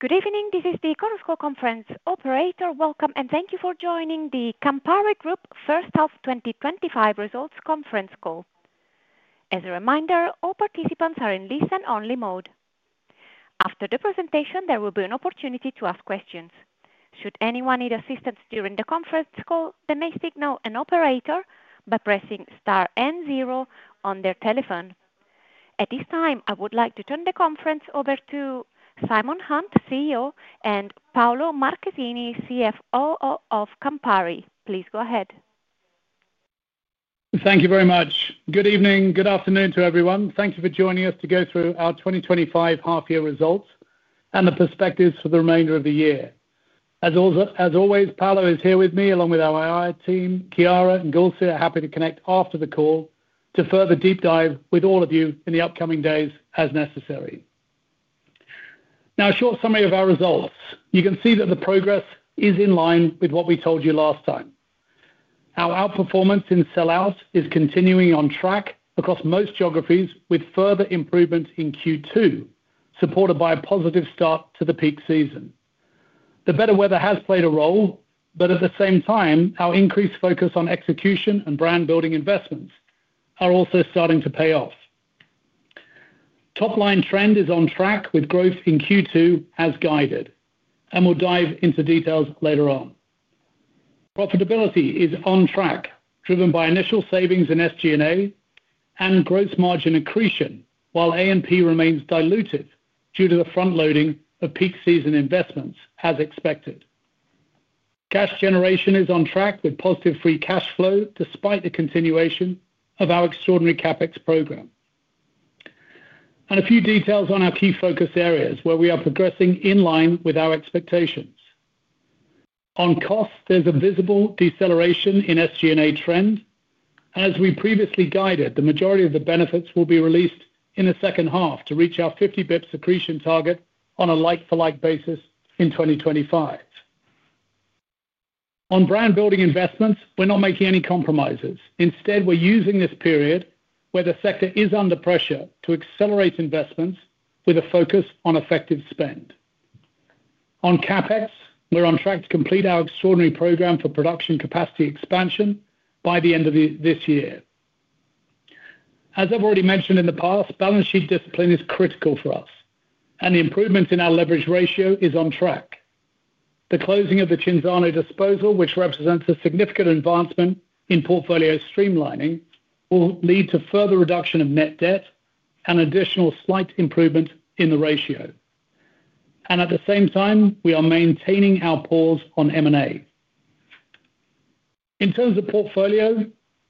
Good evening, this is the Chorus Call conference operator. Welcome and thank you for joining the Campari Group first half 2025 results conference call. As a reminder, all participants are in listen-only mode. After the presentation, there will be an opportunity to ask questions. Should anyone need assistance during the conference call, they may signal an operator by pressing star and zero on their telephone. At this time, I would like to turn the conference over to Simon Hunt, CEO, and Paolo Marchesini, CFO of Campari. Please go ahead. Thank you very much. Good evening. Good afternoon to everyone. Thank you for joining us to go through our 2025 half year results and the perspectives for the remainder of the year. As always, Paolo is here with me along with our IR team, Chiara and Gulse are happy to connect after the call to further deep dive with all of you in the upcoming days as necessary. Now a short summary of our results. You can see that the progress is in line with what we told you last time. Our outperformance in sellout is continuing on track across most geographies with further improvements in Q2 supported by a positive start to the peak season. The better weather has played a role, but at the same time our increased focus on execution and brand building investments are also starting to pay off. Top-line trend is on track with growth in Q2 as guided, and we'll dive into details later on. Profitability is on track driven by initial savings in SG&A and gross margin accretion, while A&P remains dilutive due to the front loading of peak season investments. As expected, cash generation is on track with positive free cash flow, despite the continuation of our extraordinary CapEx program. A few details on our key focus areas where we are progressing in line with our expectations. On costs, there's a visible deceleration in SG&A trend as we previously guided. The majority of the benefits will be released in the second half to reach our 50 basis points accretion target on a like-for-like basis in 2025. On brand building investments, we're not making any compromises. Instead, we're using this period where the sector is under pressure to accelerate investments with a focus on effective spend on CapEx. We're on track to complete our extraordinary program for production capacity expansion by the end of this year. As I've already mentioned in the past, balance sheet discipline is critical for us, and the improvement in our leverage ratio is on track. The closing of the Cinzano disposal, which represents a significant advancement in portfolio streamlining, will lead to further reduction of net debt and additional slight improvement in the ratio. At the same time, we are maintaining our pause on M&A. In terms of portfolio,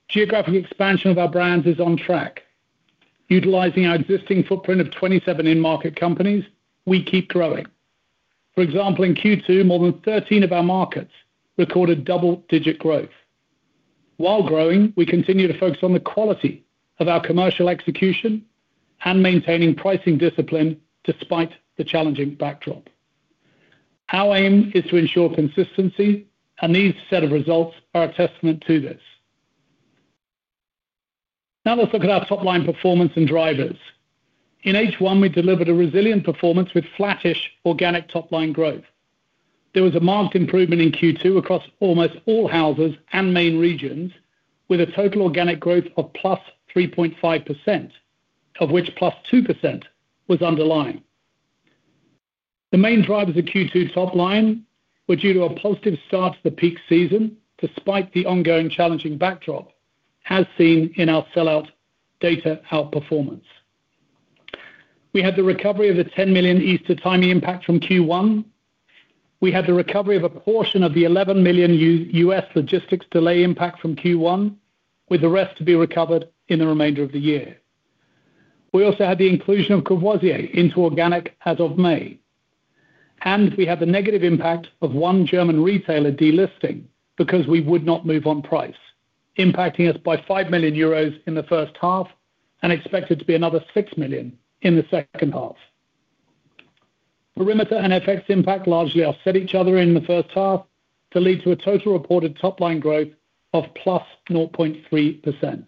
geographic expansion of our brands is on track. Utilizing our existing footprint of 27 in-market companies, we keep growing. For example, in Q2 more than 13 of our markets recorded double-digit growth. While growing, we continue to focus on the quality of our commercial execution and maintaining pricing discipline. Despite the challenging backdrop, our aim is to ensure consistency and these set of results are a testament to this. Now let's look at our top line performance and drivers. In H1 we delivered a resilient performance with flattish organic top line growth. There was a marked improvement in Q2 across almost all houses and main regions with a total organic growth of +3.5% of which +2% was underlying. The main drivers of Q2 top line were due to a positive start to the peak season despite the ongoing challenging backdrop. As seen in our sellout data outperformance, we had the recovery of the 10 million Easter timing impact from Q1. We had the recovery of a portion of the 11 million U.S. logistics delay impact from Q1 with the rest to be recovered in the remainder of the year. We also had the inclusion of Courvoisier into organic as of May and we had the negative impact of one German retailer delisting because we would not move on price impacting us by 5 million euros in the first half and expected to be another 6 million in the second half. Perimeter and FX impact largely offset each other in the first half to lead to a total reported top line growth of +0.3%.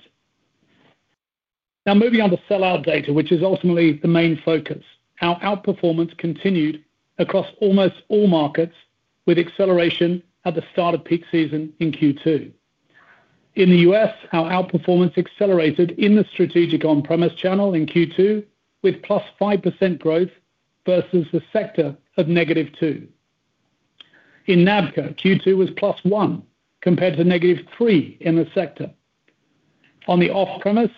Now moving on to sellout data which is ultimately the main focus, our outperformance continued across almost all markets with acceleration at the start of peak season in Q2. In the U.S. our outperformance accelerated in the strategic on-premise channel in Q2 with +5% growth versus the sector of -2% in NABCA, Q2 was +1% compared to -3% in the sector. On the off-premise,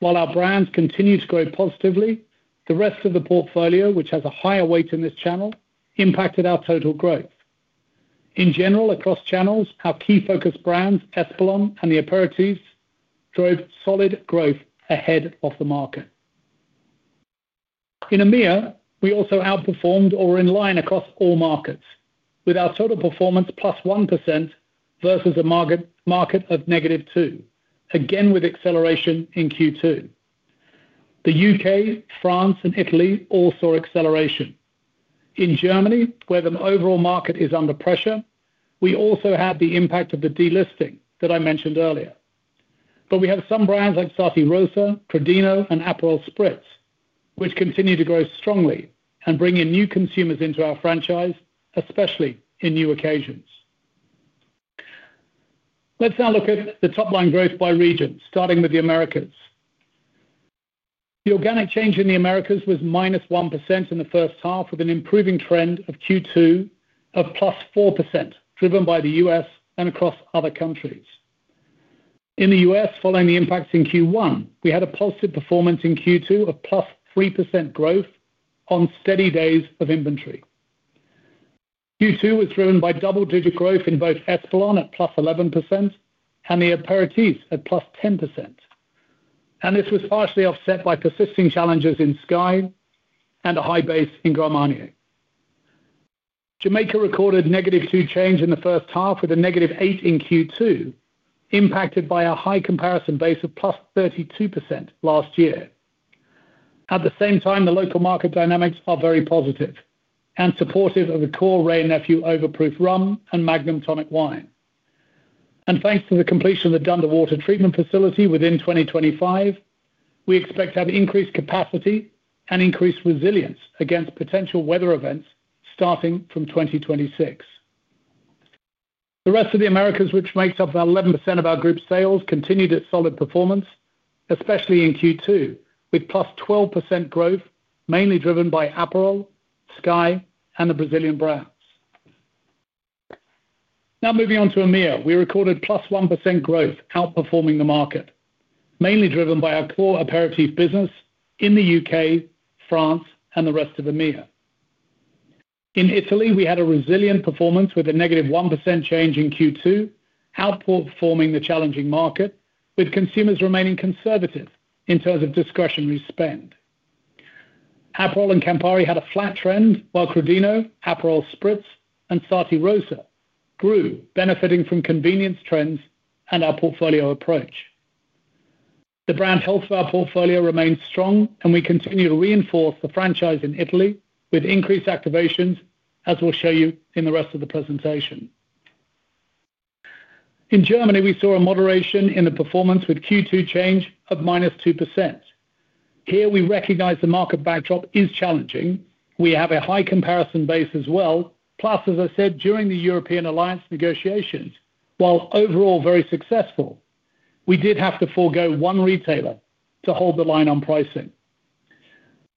while our brands continue to grow positively, the rest of the portfolio which has a higher weight in this channel impacted our total growth. In general across channels our key focused brands Espolòn and the Aperitifs drove solid growth ahead of the market. In EMEA, we also outperformed or in line across all markets with our total performance +1% versus a market of -2% again with acceleration in Q2. The U.K., France and Italy all saw acceleration. In Germany where the overall market is under pressure, we also had the impact of the delisting that I mentioned earlier, but we have some brands like Sarti Rosa, Crodino and Aperol Spritz which continue to grow strongly and bring in new consumers into our franchise especially in new occasions. Let's now look at the top-line growth by region starting with the Americas. The organic change in the Americas was -1% in the first half with an improving trend in Q2 of +4% driven by the U.S. and across other countries. In the U.S., following the impact in Q1, we had a positive performance in Q2 of +3% growth on steady days of inventory. Q2 was driven by double-digit growth in both Espolòn at +11% and the aperitifs at +10%, and this was partially offset by persisting challenges in SKYY and a high base in Grand Marnier. Jamaica recorded -2% change in the first half with a -8% in Q2, impacted by a high comparison base of +32% last year. At the same time, the local market dynamics are very positive and supportive of the core Wray&Nephew Overproof Rum and Magnum Tonic Wine, and thanks to the completion of the Dunder water treatment facility within 2025, we expect to have increased capacity and increased resilience against potential weather events starting from 2026. The rest of the Americas, which makes up about 11% of our group sales, continued its solid performance, especially in Q2 with +12% growth mainly driven by Aperol, SKYY, and the Brazilian brands. Now moving on to EMEA, we recorded +1% growth, outperforming the market mainly driven by our core aperitif business in the U.K., France, and the rest of EMEA. In Italy, we had a resilient performance with a -1% change in Q2, outperforming the challenging market with consumers remaining conservative in terms of discretionary spend. Aperol and Campari had a flat trend while Crodino, Aperol Spritz, and Sarti Rosa grew, benefiting from convenience trends and our portfolio approach. The brand health of our portfolio remains strong, and we continue to reinforce the franchise in Italy with increased activations as we'll show you in the rest of the presentation. In Germany, we saw a moderation in the performance with Q2 change of -2%. Here we recognize the market backdrop is challenging. We have a high comparison base as well. As I said during the European alliance negotiations, while overall very successful, we did have to forego one retailer to hold the line on pricing.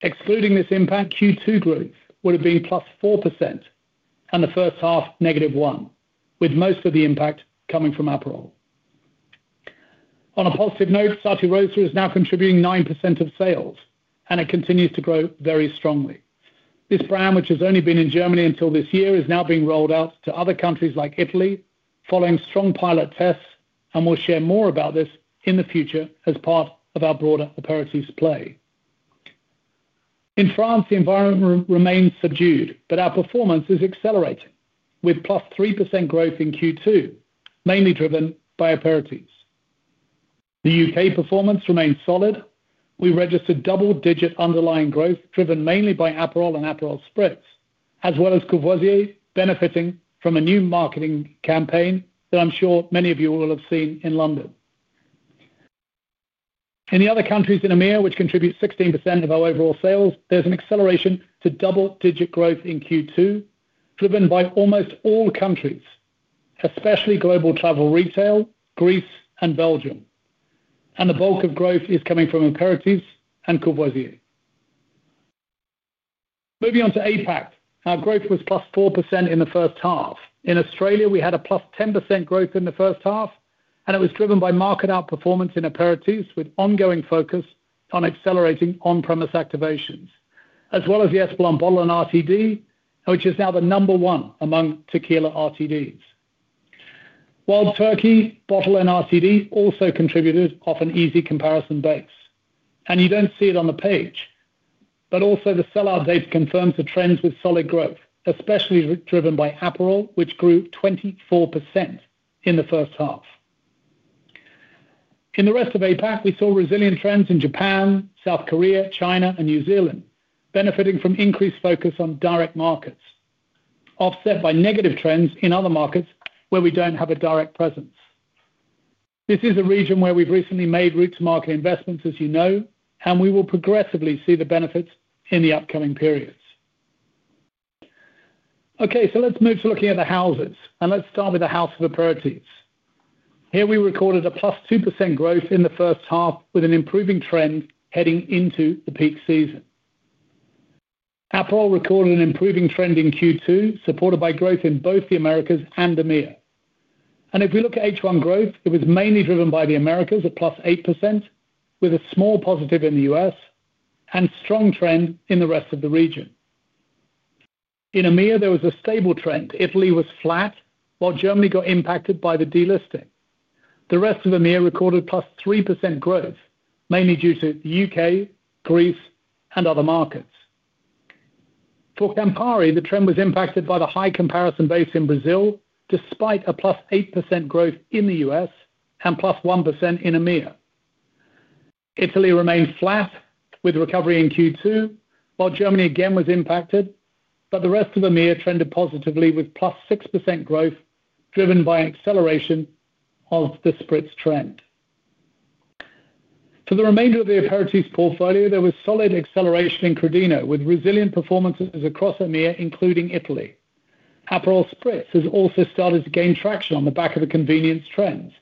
Excluding this impact, Q2 growth would have been +4%, the first half -1%, with most of the impact coming from Aperol. On a positive note, Sarti Rosa is now contributing 9% of sales and it continues to grow very strongly. This brand, which has only been in Germany until this year, is now being rolled out to other countries like Italy following strong pilot tests, and we'll share more about this in the future as part of our broader priorities play. In France, the environment remains subdued, but our performance is accelerating with +3% growth in Q2, mainly driven by aperitifs. The UK performance remains solid. We registered double-digit underlying growth driven mainly by Aperol and Aperol Spritz as well as Courvoisier benefiting from a new marketing campaign that I'm sure many of you will have seen in London. In the other countries in EMEA, which contribute 16% of our overall sales, there's an acceleration to double-digit growth in Q2 driven by almost all countries, especially global travel retail, Greece, and Belgium, and the bulk of growth is coming from aperitifs and Courvoisier. Moving on to APAC, our growth was +4% in the first half. In Australia, we had +10% growth in the first half, and it was driven by market outperformance in aperitifs with ongoing focus on accelerating on-premise activations as well as the Espolòn bottle and RTD, which is now the number one among tequila RTDs. Wild Turkey bottle and RTD also contributed often. Easy comparison base, and you don't see it on the page, but also the sellout data confirms the trends with solid growth, especially driven by Aperol, which grew 24% in the first half. In the rest of APAC, we saw resilient trends in Japan, South Korea, China, and New Zealand, benefiting from increased focus on direct markets, offset by negative trends in other markets where we don't have a direct presence. This is a region where we've recently made route-to-market investments, as you know, and we will progressively see the benefits in the upcoming periods. Okay, let's move to looking at the houses, and let's start with the house of the priorities here. We recorded +2% growth in the first half with an improving trend heading into the peak season. Aperol recorded an improving trend in Q2, supported by growth in both the Americas and EMEA. If we look at H1 growth, it was mainly driven by the Americas at +8% with a small positive in the U.S. and strong trend in the rest of the region. In EMEA, there was a stable trend; Italy was flat while Germany got impacted by the delisting. The rest of EMEA recorded +3% growth, mainly due to the U.K., Greece, and other markets. For Campari, the trend was impacted by the high comparison base in Brazil despite a +8% growth in the U.S. and +1% in EMEA. Italy remained flat with recovery in Q2, while Germany again was impacted. The rest of EMEA trended positively with +6% growth driven by an acceleration of the spritz trend. For the remainder of the aperitifs portfolio, there was solid acceleration in Crodino with resilient performances across EMEA including Italy. Aperol Spritz has also started to gain traction on the back of the convenience trends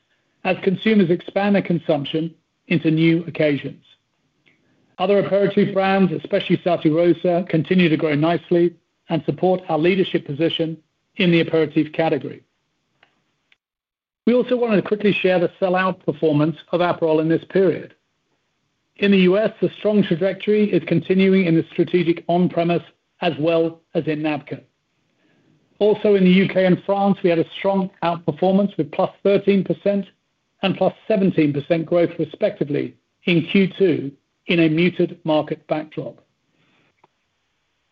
as consumers expand their consumption into new occasions. Other aperitif brands, especially Sarti Rosa, continue to grow nicely and support our leadership position in the aperitif category. We also wanted to quickly share the sellout performance of Aperol in this period. In the U.S., the strong trajectory is continuing in the strategic on-premise as well as in NABCA. In the UK and France, we had a strong outperformance with +13% and +17% growth respectively in Q2. In a muted market backdrop,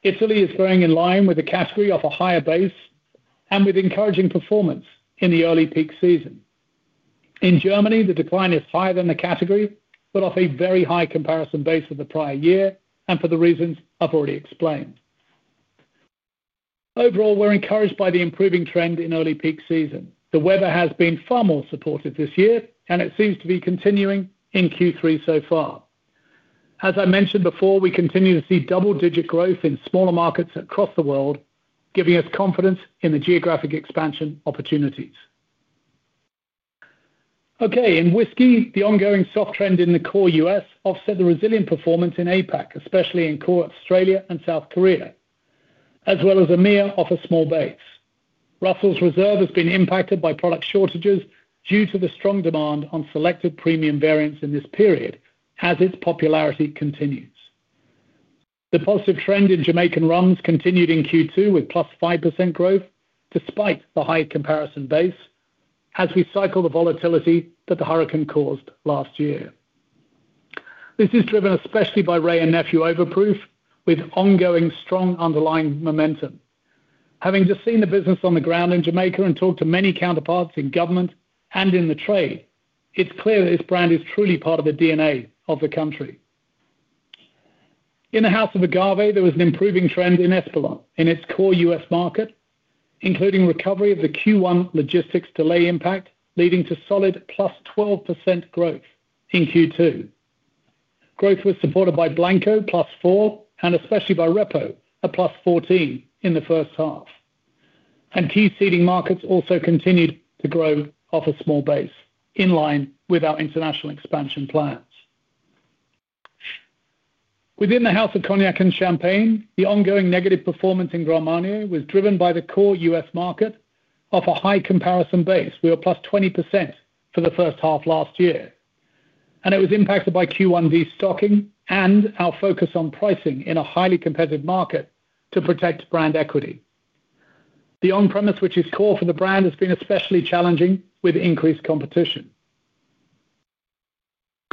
Italy is growing in line with the category off a higher base and with encouraging performance in the early peak season. In Germany, the decline is higher than the category but off a very high comparison base of the prior year and for the reasons I already explained. Overall, we're encouraged by the improving trend in early peak season. The weather has been far more supportive this year and it seems to be continuing in Q3 so far. As I mentioned before, we continue to see double-digit growth in smaller markets across the world, giving us confidence in the geographic expansion opportunities. In whiskey, the ongoing soft trend in the core U.S. offset the resilient performance in APAC, especially in core Australia and South Korea, as well as EMEA off a small base. Russell's Reserve has been impacted by product shortages due to the strong demand on selected premium variants in this period as its popularity continues. The positive trend in Jamaican rums continued in Q2 with +5% growth despite the high comparison base as we cycle the volatility that the hurricane caused last year. This is driven especially by Wray&Nephew Overproof with ongoing strong underlying momentum. Having just seen the business on the ground in Jamaica and talked to many counterparts in government and in the trade, it's clear that this brand is truly part of the DNA of the country. In the House of Agave, there was an improving trend in Espolòn in its core U.S. market, including recovery of the Q1 logistics delay impact, leading to solid +12% growth in Q2. Growth was supported by Blanco and especially by Reposado at +14% in the first half, and key seeding markets also continued to grow off a small base in line with our international expansion plans. Within the House of Cognac and Champagne, the ongoing negative performance in Grand Marnier was driven by the core U.S. market off a high comparison base. We were +20% for the first half last year, and it was impacted by Q1 destocking and our focus on pricing in a highly competitive market to protect brand equity. The on-premise, which is core for the brand, has been especially challenging with increased competition.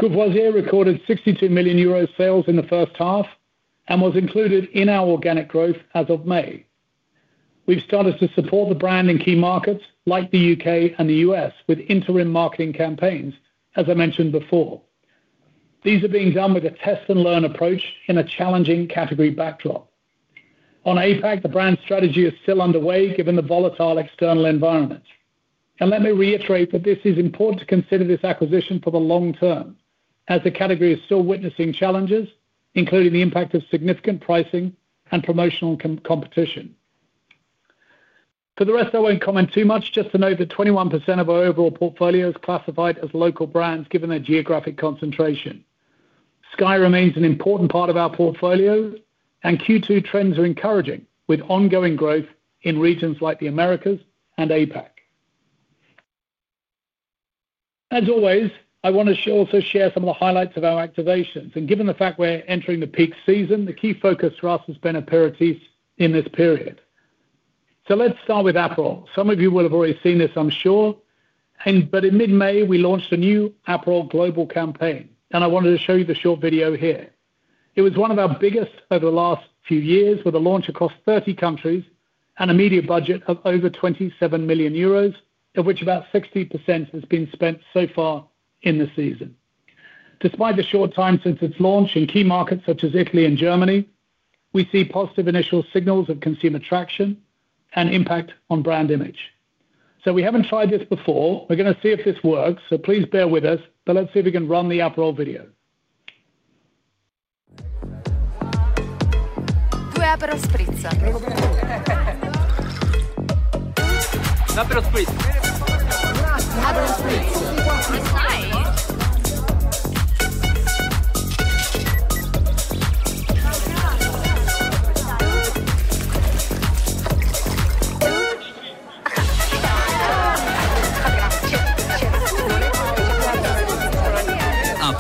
Courvoisier recorded 62 million euro sales in the first half and was included in our organic growth. As of May, we've started to support the brand in key markets like the U.K. and the U.S. with interim marketing campaigns. As I mentioned before, these are being done with a test and learn approach in a challenging category backdrop. On APAC, the brand strategy is still underway given the volatile external environment, and let me reiterate that it is important to consider this acquisition for the long term as the category is still witnessing challenges, including the impact of significant pricing and promotional competition. For the rest, I won't comment too much, just to note that 21% of our overall portfolio is classified as local brands given their geographic concentration. SKYY remains an important part of our portfolio, and Q2 trends are encouraging with ongoing growth in regions like the Americas and APAC. As always, I want to also share some of the highlights of our activations, and given the fact we're entering the peak season, the key focus for us has been Aperol in this period. Let's start with Aperol. Some of you will have already seen this, I'm sure, but in mid-May we launched a new Aperol global campaign, and I wanted to show you the short video here. It was one of our biggest over the last few years, with a launch across 30 countries and a media budget of over 27 million euros, of which about 60% has been spent so far in the season. Despite the short time since its launch in key markets such as Italy and Germany, we see positive initial signals of consumer traction and impact on brand image. We haven't tried this before. We're going to see if this works, so please bear with us. Let's see if we can run the Aperol video. Okay,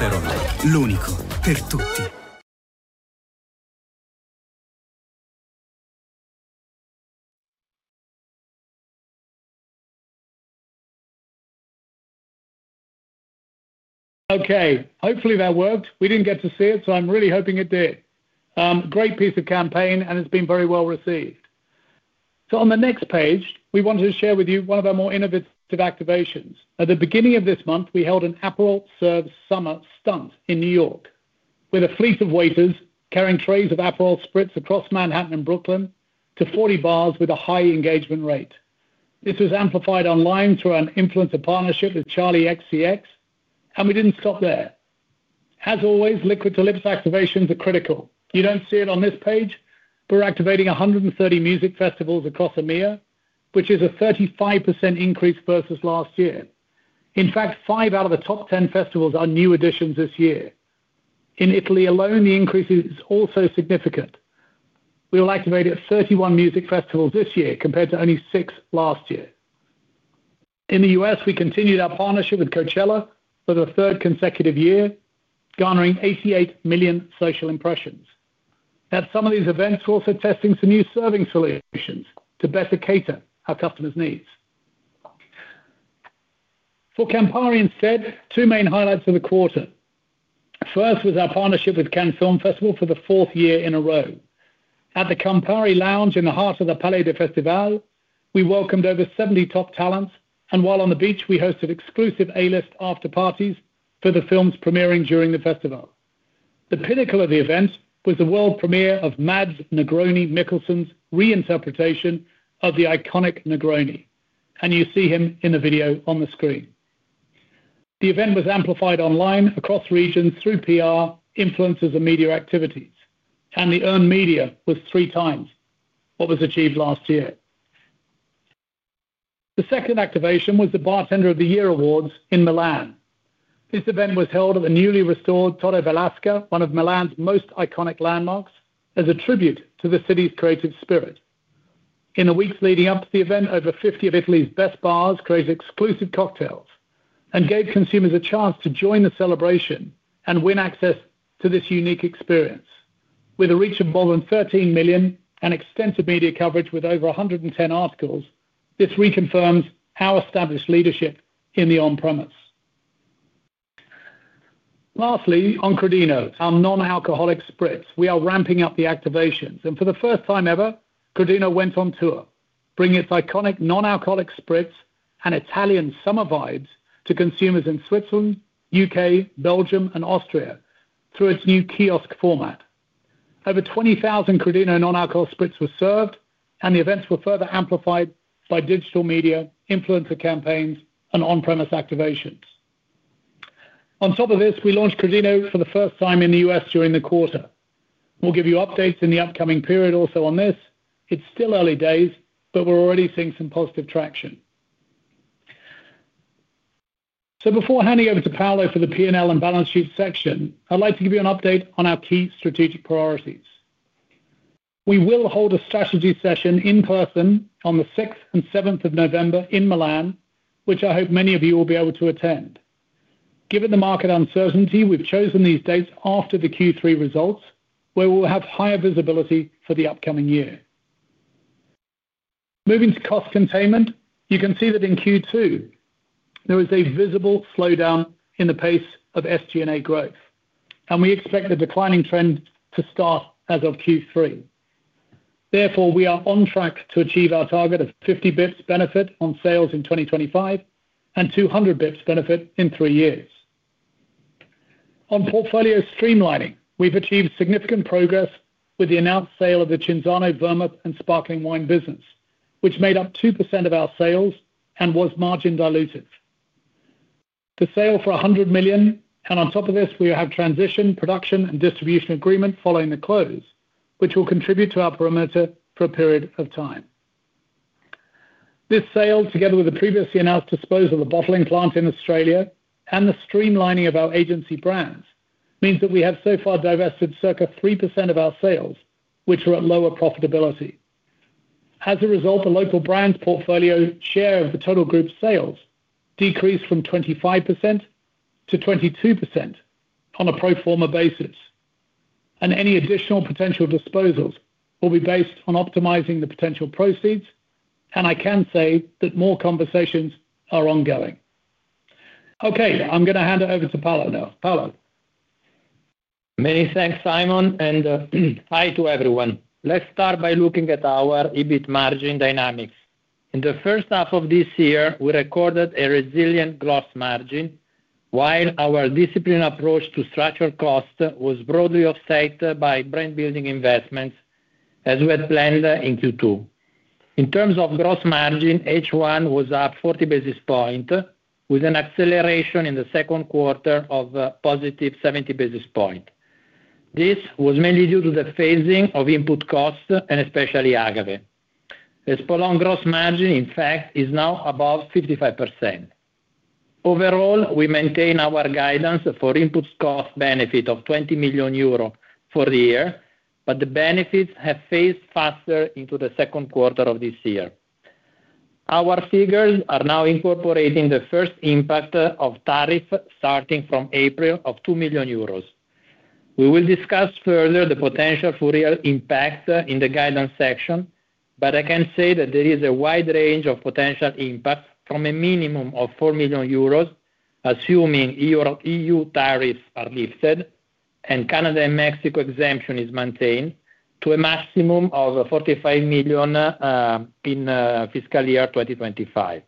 hopefully that worked. We didn't get to see it, so I'm really hoping it did. Great piece of campaign and it's been very well received. On the next page, we wanted to share with you one of our more innovative activations. At the beginning of this month, we held an Aperol Serves Summer stunt in New York with a fleet of waiters carrying trays of Aperol Spritz across Manhattan and Brooklyn to 40 bars with a high engagement rate. This was amplified online through an influencer partnership with Charli XCX, and we didn't stop there. As always, liquid to lips activations are critical. You don't see it on this page. We're activating 130 music festivals across EMEA, which is a 35% increase versus last year. In fact, five out of the top 10 festivals are new additions this year in Italy alone. The increase is also significant. We will activate 31 music festivals this year compared to only six last year in the U.S. We continued our partnership with Coachella for the third consecutive year, garnering 88 million social impressions at some of these events. We're also testing some new serving solutions to better cater our customers' needs for Campari instead. Two main highlights of the quarter: first was our partnership with Cannes Film Festival. For the fourth year in a row at the Campari Lounge in the heart of the Palais de Festival, we welcomed over 70 top talents, and while on the beach, we hosted exclusive A-list after parties for the films premiering during the festival. The pinnacle of the event was the world premiere of Mads Negroni Mikkelsen's reinterpretation of the iconic Negroni, and you see him in the video on the screen. The event was amplified online across regions through PR, influencers, and media activities, and the earned media was three times what was achieved last year. The second activation was the Bartender of the Year awards in Milan. This event was held at the newly restored Torre Velasca, one of Milan's most iconic landmarks, as a tribute to the city's creative spirit. In the weeks leading up to the event, over 50 of Italy's best bars created exclusive cocktails and gave consumers a chance to join the celebration and win access to this unique experience. With a reach of more than 13 million and extensive media coverage with over 110 articles, this reconfirms our established leadership in the on-premise. Lastly, on Crodino, our non-alcoholic spritz, we are ramping up the activations and for the first time ever, Crodino went on tour bringing its iconic non-alcoholic spritz and Italian summer vibes to consumers in Switzerland, U.K., Belgium, and Austria. Through its new kiosk format, over 20,000 Crodino non-alcoholic spritz were served and the events were further amplified by digital media, influencer campaigns, and on-premise activations. On top of this, we launched Crodino for the first time in the U.S. during the quarter. We'll give you updates in the upcoming period. Also on this, it's still early days, but we're already seeing some positive traction. Before handing over to Paolo for the P&L and balance sheet section, I'd like to give you an update on our key strategic priorities. We will hold a strategy session in person on the 6th and 7th of November in Milan, which I hope many of you will be able to attend. Given the market uncertainty, we've chosen these dates after the Q3 results where we will have higher visibility for the upcoming year. Moving to cost containment, you can see that in Q2 there is a visible slowdown in the pace of SG&A growth and we expect the declining trend to start as of Q3. Therefore, we are on track to achieve our target of 50 basis points benefit on sales in 2025 and 200 basis points benefit in three years. On portfolio streamlining, we've achieved significant progress with the announced sale of the Cinzano vermouth and sparkling wine business which made up 2% of our sales and was margin dilutive. The sale for 100 million and on top of this we have transition production and distribution agreement following the close which will contribute to our perimeter for a period of time. This sale, together with the previously announced disposal of bottling plant in Australia and the streamlining of our agency brands, means that we have so far divested circa 3% of our sales which are at lower profitability. As a result, the local brands' portfolio share of the total group sales decreased from 25% to 22% on a pro forma basis and any additional potential disposals will be based on optimizing the potential proceeds. I can say that more conversations are ongoing. Okay, I'm going to hand it over to Paolo now. Many thanks Simon, and hi to everyone. Let's start by looking at our EBIT margin dynamics. In the first half of this year we recorded a resilient gross margin, while our disciplined approach to structured cost was broadly offset by brand building investments as we had planned in Q2. In terms of gross margin, H1 was up 40 basis points with an acceleration in the second quarter of +70 basis points. This was mainly due to the phasing of input costs and especially agave as prolonged gross margin in fact is now above 55%. Overall, we maintain our guidance for input cost benefit of 20 million euro for the year, but the benefits have phased faster into the second quarter of this year. Our figures are now incorporating the first impact of tariff starting from April of 2 million euros. We will discuss further the potential for real impact in the guidance section, but I can say that there is a wide range of potential impacts from a minimum of 4 million euros assuming EU tariffs are lifted and Canada and Mexico exemption is maintained to a maximum of 45 million in fiscal year 2025.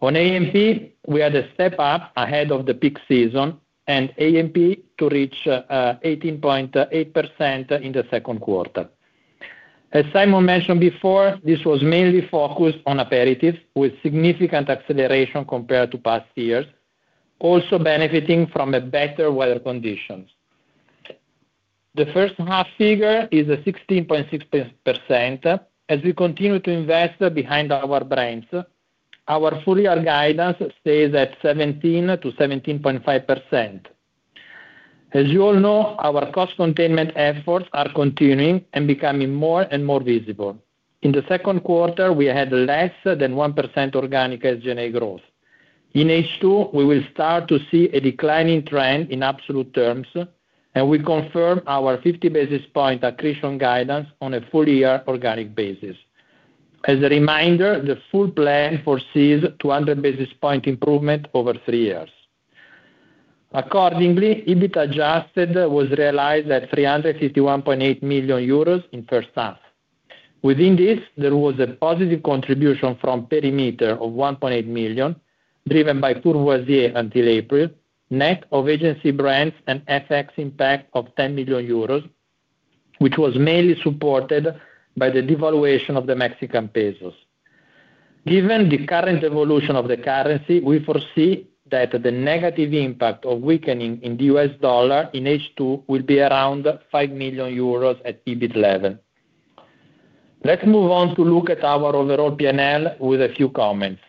On A&P, we had a step up ahead of the peak season and A&P to reach 18.8% in the second quarter. As Simon mentioned before, this was mainly focused on Aperol with significant acceleration compared to past years, also benefiting from better weather conditions. The first half figure is 16.6%. As we continue to invest behind our brands, our full year guidance stays at 17%-17.5%. As you all know, our cost containment efforts are continuing and becoming more and more visible. In the second quarter we had less than 1% organic SG&A growth. In H2 we will start to see a declining trend in absolute terms and we confirm our 50 basis points accretion guidance on a full year organic basis. As a reminder, the full plan foresees 200 basis points improvement over three years. Accordingly, EBITDA adjusted was realized at 351.8 million euros in first half. Within this there was a positive contribution from perimeter of 1.8 million driven by Courvoisier until April net of agency brands and FX impact of 10 million euros which was mainly supported by the devaluation of the Mexican peso. Given the current evolution of the currency, we foresee that the negative impact of weakening in the U.S. dollar in H2 will be around 5 million euros at EBIT level. Let's move on to look at our overall P&L with a few comments.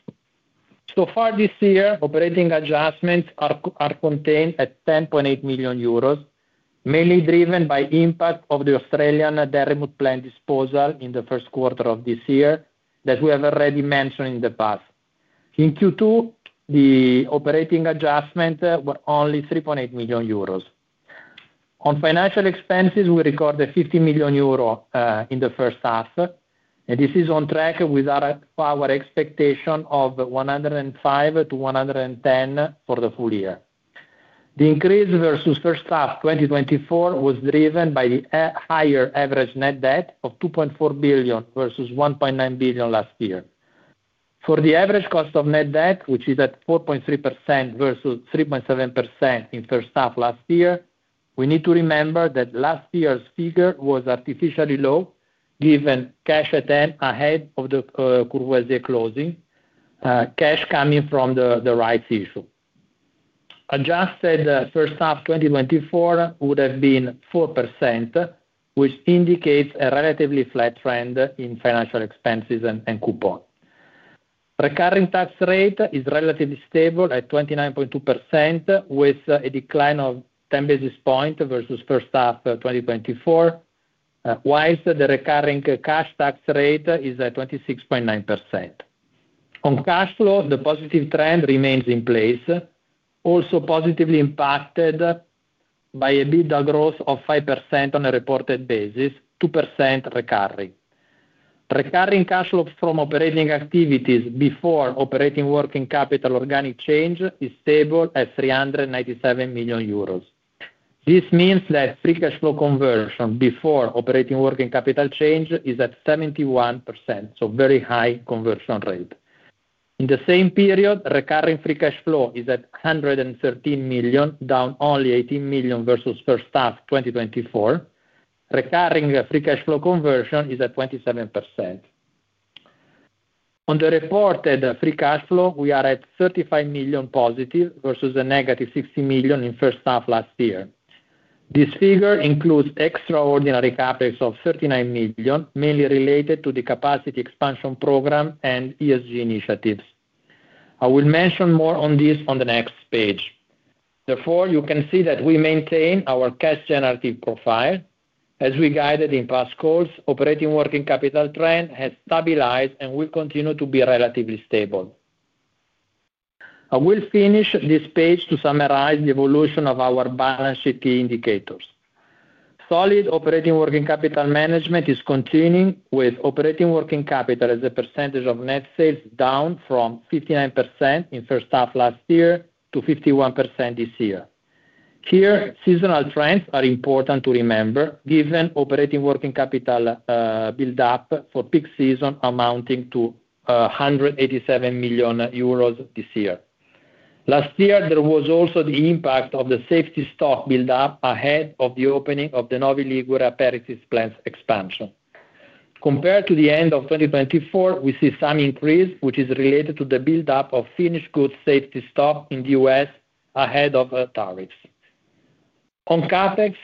So far this year, operating adjustments are contained at 10.8 million euros, mainly driven by impact of the Australian Derrimut plant disposal in the first quarter of this year that we have already mentioned in the past. In Q2, the operating adjustment was only 3.8 million euros. On financial expenses, we recorded 15 million euro in the first half, and this is on track with our expectation of 105 million-110 million for the full year. The increase versus first half 2024 was driven by the higher average net debt of 2.4 billion versus 1.9 billion last year. For the average cost of net debt, which is at 4.3% versus 3.7% in first half last year, we need to remember that last year's figure was artificially low given cash attempt ahead of the Courvoisier closing, cash coming from the rights issue. Adjusted first half 2024 would have been 4%, which indicates a relatively flat trend in financial expenses and coupon. Recurring tax rate is relatively stable at 29.2%, with a decline of 10 basis points versus first half 2023, whilst the recurring cash tax rate is at 26.9%. On cash flow, the positive trend remains in place, also positively impacted by EBITDA growth of 5% on a reported basis, 2% recovery. Recurring cash flow from operating activities before operating working capital organic change is stable at 397 million euros. This means that free cash flow conversion before operating working capital change is at 71%, so very high conversion rate in the same period. Recurring free cash flow is at 113 million, down only 18 million versus first half 2024. Recurring free cash flow conversion is at 27%. On the reported free cash flow, we are at +35 million versus a -60 million in first half last year. This figure includes extraordinary CapEx of 39 million, mainly related to the capacity expansion program and ESG initiatives. I will mention more on this on the next page. Therefore, you can see that we maintain our cash generative profile as we guided in past calls. Operating working capital trend has stabilized and will continue to be relatively stable. I will finish this page to summarize the evolution of our balance sheet. Key indicators: solid operating working capital management is continuing, with operating working capital as a percentage of net sales down from 59% in first half last year to 51% this year. Here, seasonal trends are important to remember, given operating working capital buildup for peak season amounting to 187 million euros this year. Last year there was also the impact of the safety stock build up ahead of the opening of the Novi Ligure plant expansion. Compared to the end of 2024, we see some increase which is related to the buildup of finished goods safety stock in the U.S. ahead of tariffs. On CapEx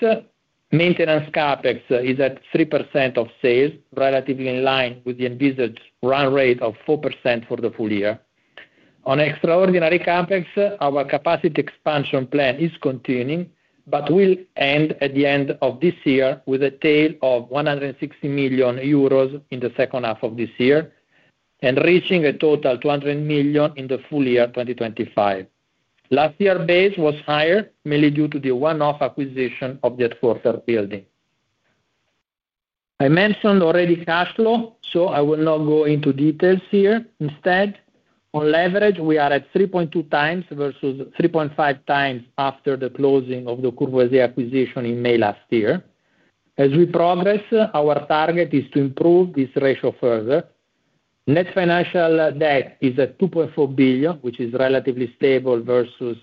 maintenance, CapEx is at 3% of sales, relatively in line with the envisaged run rate of 4% for the full on extraordinary CapEx. Our capacity expansion plan is continuing but will end at the end of this year with a tail of 160 million euros in the second half of this year and reaching a total 200 million in the full year 2025. Last year base was higher mainly due to the one-off acquisition of the headquarter building. I mentioned already cash flow, so I will not go into details here. Instead, on leverage, we are at 3.2x versus 3.5x after the closing of the Courvoisier acquisition in May last year. As we progress, our target is to improve this ratio further. Net financial debt is at 2.4 billion, which is relatively stable versus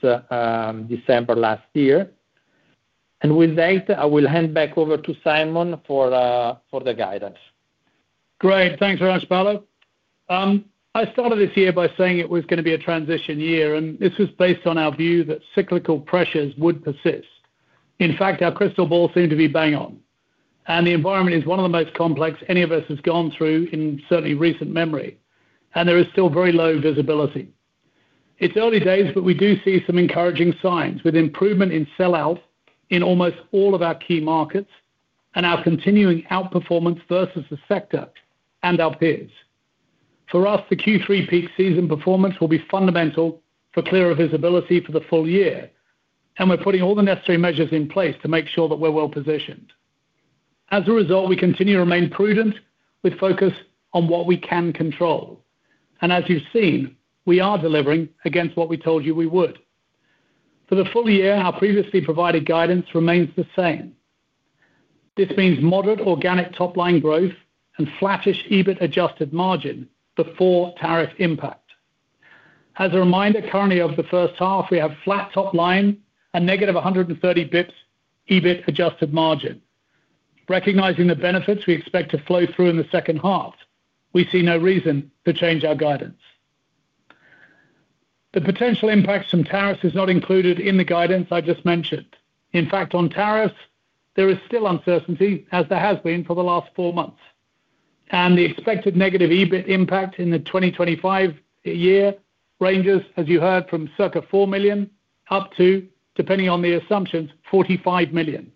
December last year, and with that I will hand back over to Simon for the guidance. Great, thanks very much Paolo. I started this year by saying it was going to be a transition year and this was based on our view that cyclical pressures would persist. In fact, our crystal ball seemed to be bang on and the environment is one of the most complex any of us has gone through in certainly recent memory, and there is still very low visibility. It's early days, but we do see some encouraging signs with improvement in sellout in almost all of our key markets and our continuing outperformance versus the sector and our peers. For us, the Q3 peak season performance will be fundamental for clearer visibility for the full year, and we're putting all the necessary measures in place to make sure that we're well positioned. As a result, we continue to remain prudent with focus on what we can control, and as you've seen, we are delivering against what we told you we would. For the full year, our previously provided guidance remains the same. This means moderate organic top-line growth and flattish EBIT adjusted margin before tariff impact. As a reminder, currently for the first half we have flat top-line and -130 basis points EBIT adjusted margin. Recognizing the benefits we expect to flow through in the second half, we see no reason to change our guidance. The potential impact from tariffs is not included in the guidance I just mentioned. In fact, on tariffs there is still uncertainty as there has been for the last four months, and the expected negative EBIT impact in the 2025 year ranges, as you heard, from circa 4 million up to, depending on the assumptions, 45 million,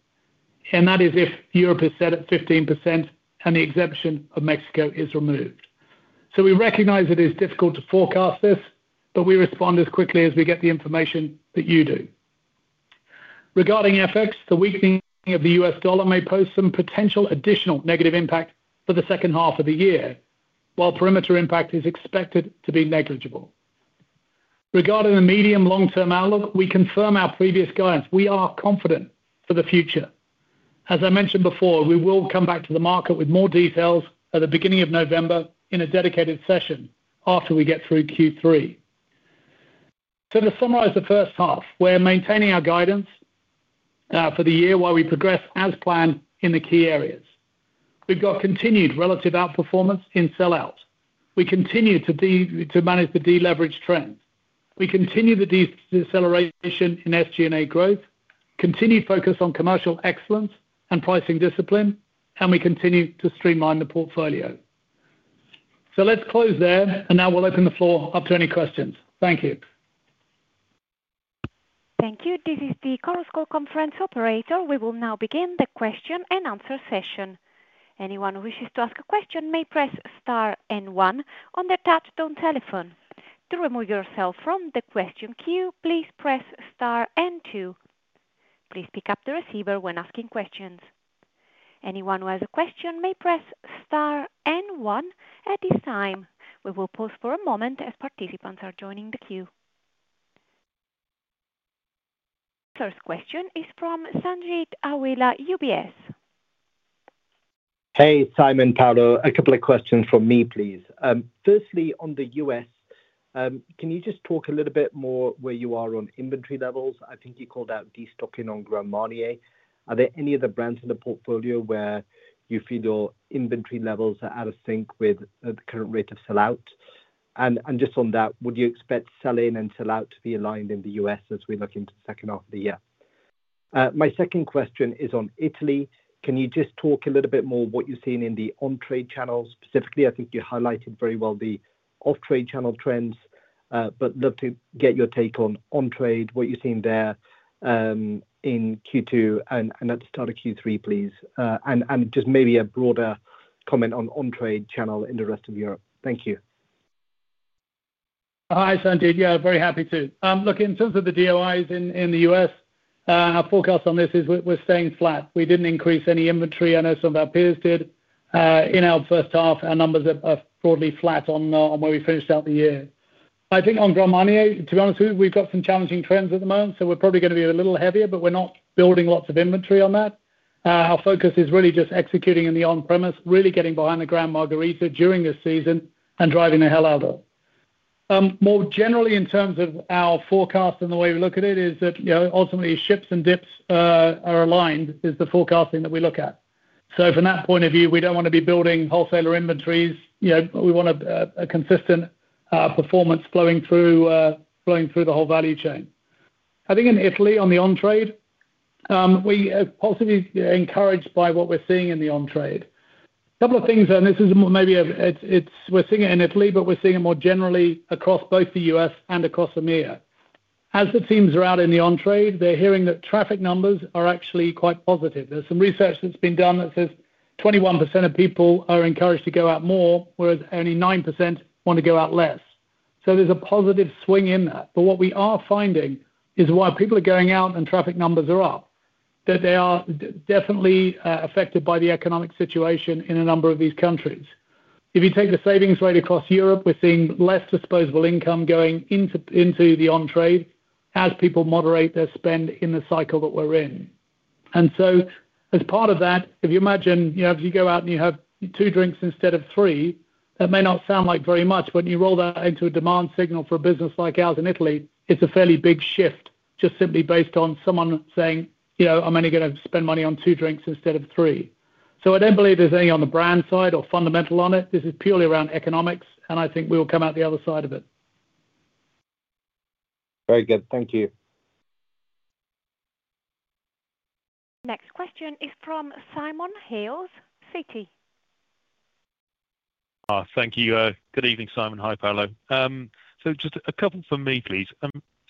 and that is if Europe is set at 15% and the exception of Mexico is removed. We recognize it is difficult to forecast this, but we respond as quickly as we get the information that you do. Regarding FX, the weakening of the U.S. dollar may pose some potential additional negative impact for the second half of the year, while perimeter impact is expected to be negligible. Regarding the medium long-term outlook, we confirm our previous guidance. We are confident for the future. As I mentioned before, we will come back to the market with more details at the beginning of November in a dedicated session after we get through Q3. To summarize the first half, we're maintaining our guidance for the year while we progress as planned in the key areas. We've got continued relative outperformance in sellout, we continue to manage the deleverage trend, we continue the deceleration in SG&A growth, continued focus on commercial excellence and pricing discipline, and we continue to streamline the portfolio. Let's close there. Now we'll open the floor up to any questions. Thank you. Thank you. This is the Chorus Call conference operator. We will now begin the question and answer session. Anyone who wishes to ask a question may press star and one on the touchtone telephone. To remove yourself from the question queue, please press star and two. Please pick up the receiver when asking questions. Anyone who has a question may press star and one. At this time, we will pause for a moment as participants are joining the queue. First question is from Sanjeet Aujla, UBS. Hey Simon, Paolo, a couple of questions from me, please. Firstly, on the U.S., can you just talk a little bit more where you are on inventory levels? I think you called out destocking on Grand Marnier. Are there any other brands in the portfolio where you feel your inventory levels are out of sync with the current rate of sellout? Just on that, would you expect sell-in and sell-out to be aligned in the U.S. as we look into the second half of the year? My second question is on Italy. Can you just talk a little bit more what you're seeing in the on-premise channel. Trade channels specifically, I think you highlighted very well the off-trade channel trends. Love to get your take on. On-trade, what you're seeing there in Q2 and at the start of Q3, please. And just maybe a broader comment on on trade channel in the rest of Europe. Thank you. Hi Sanjeet. Yeah, very happy to look in terms of the DOIs in the U.S. Our forecast on this is we're staying flat. We didn't increase any inventory. I know some of our peers did in our first half. Our numbers broadly flat on where we finished out the year. I think on Grand Marnier, to be honest with you, we've got some challenging trends at the moment, so we're probably going to be a little heavier, but we're not building lots of inventory on that. Our focus is really just executing in the on-premise, really getting behind the Grand Margarita during this season and driving the hell out of it. More generally, in terms of our forecast and the way we look at it, is that ultimately ships and dips are aligned, is the forecasting that we look at. From that point of view, we don't want to be building wholesaler inventories, we want a consistent performance flowing through the whole value chain. I think in Italy, on the on-trade, we possibly encouraged by what we're seeing in the on-trade. Couple of things, and this is maybe we're seeing it in Italy, but we're seeing it more generally across both the U.S. and across EMEA. As the teams are out in the on trade, they're hearing that traffic numbers are actually quite positive. There's some research that's been done that says 21% of people are encouraged to go out more, whereas only 9% want to go out less. There's a positive swing in that. What we are finding is while people are going out and traffic numbers are up, they are definitely affected by the economic situation in a number of these countries. If you take the savings rate across Europe, we're seeing less disposable income going into the on trade as people moderate their spend in the cycle that we're in. As part of that, if you imagine you go out and you have two drinks instead of three, that may not sound like very much, but you roll that into a demand signal for a business like ours. In Italy, it's a fairly big shift just simply based on someone saying, I'm only going to spend money on two drinks instead of three. I don't believe there's any on the brand side or fundamental on it. This is purely around economics, and I think we will come out the other side of it. Very good, thank you. Next question is from Simon Hales, Citi. Thank you. Good evening, Simon. Hi, Paolo. Just a couple for me, please,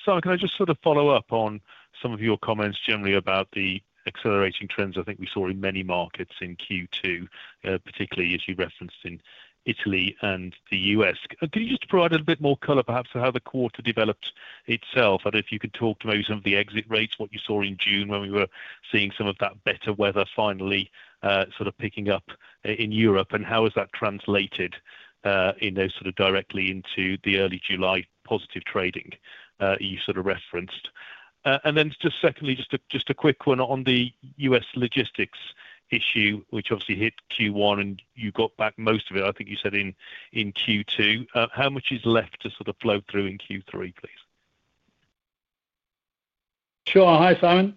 Simon, can I just sort of follow up on some of your comments generally about the accelerating trends? I think we saw in many markets in Q2, particularly as you referenced in Italy and the U.S.? Could you just provide a bit more color perhaps of how the quarter developed itself and if you could talk to maybe some of the exit rates, what you saw in June when we were seeing some of that better weather finally sort of picking up in Europe and how has that translated sort of directly into the early July positive trading you sort of referenced? Then just secondly, just a quick one on the U.S. logistics issue, which obviously hit Q1 and you got back most of it, I think you said in Q2, how much is left to sort of flow through in Q3, please? Sure. Hi, Simon.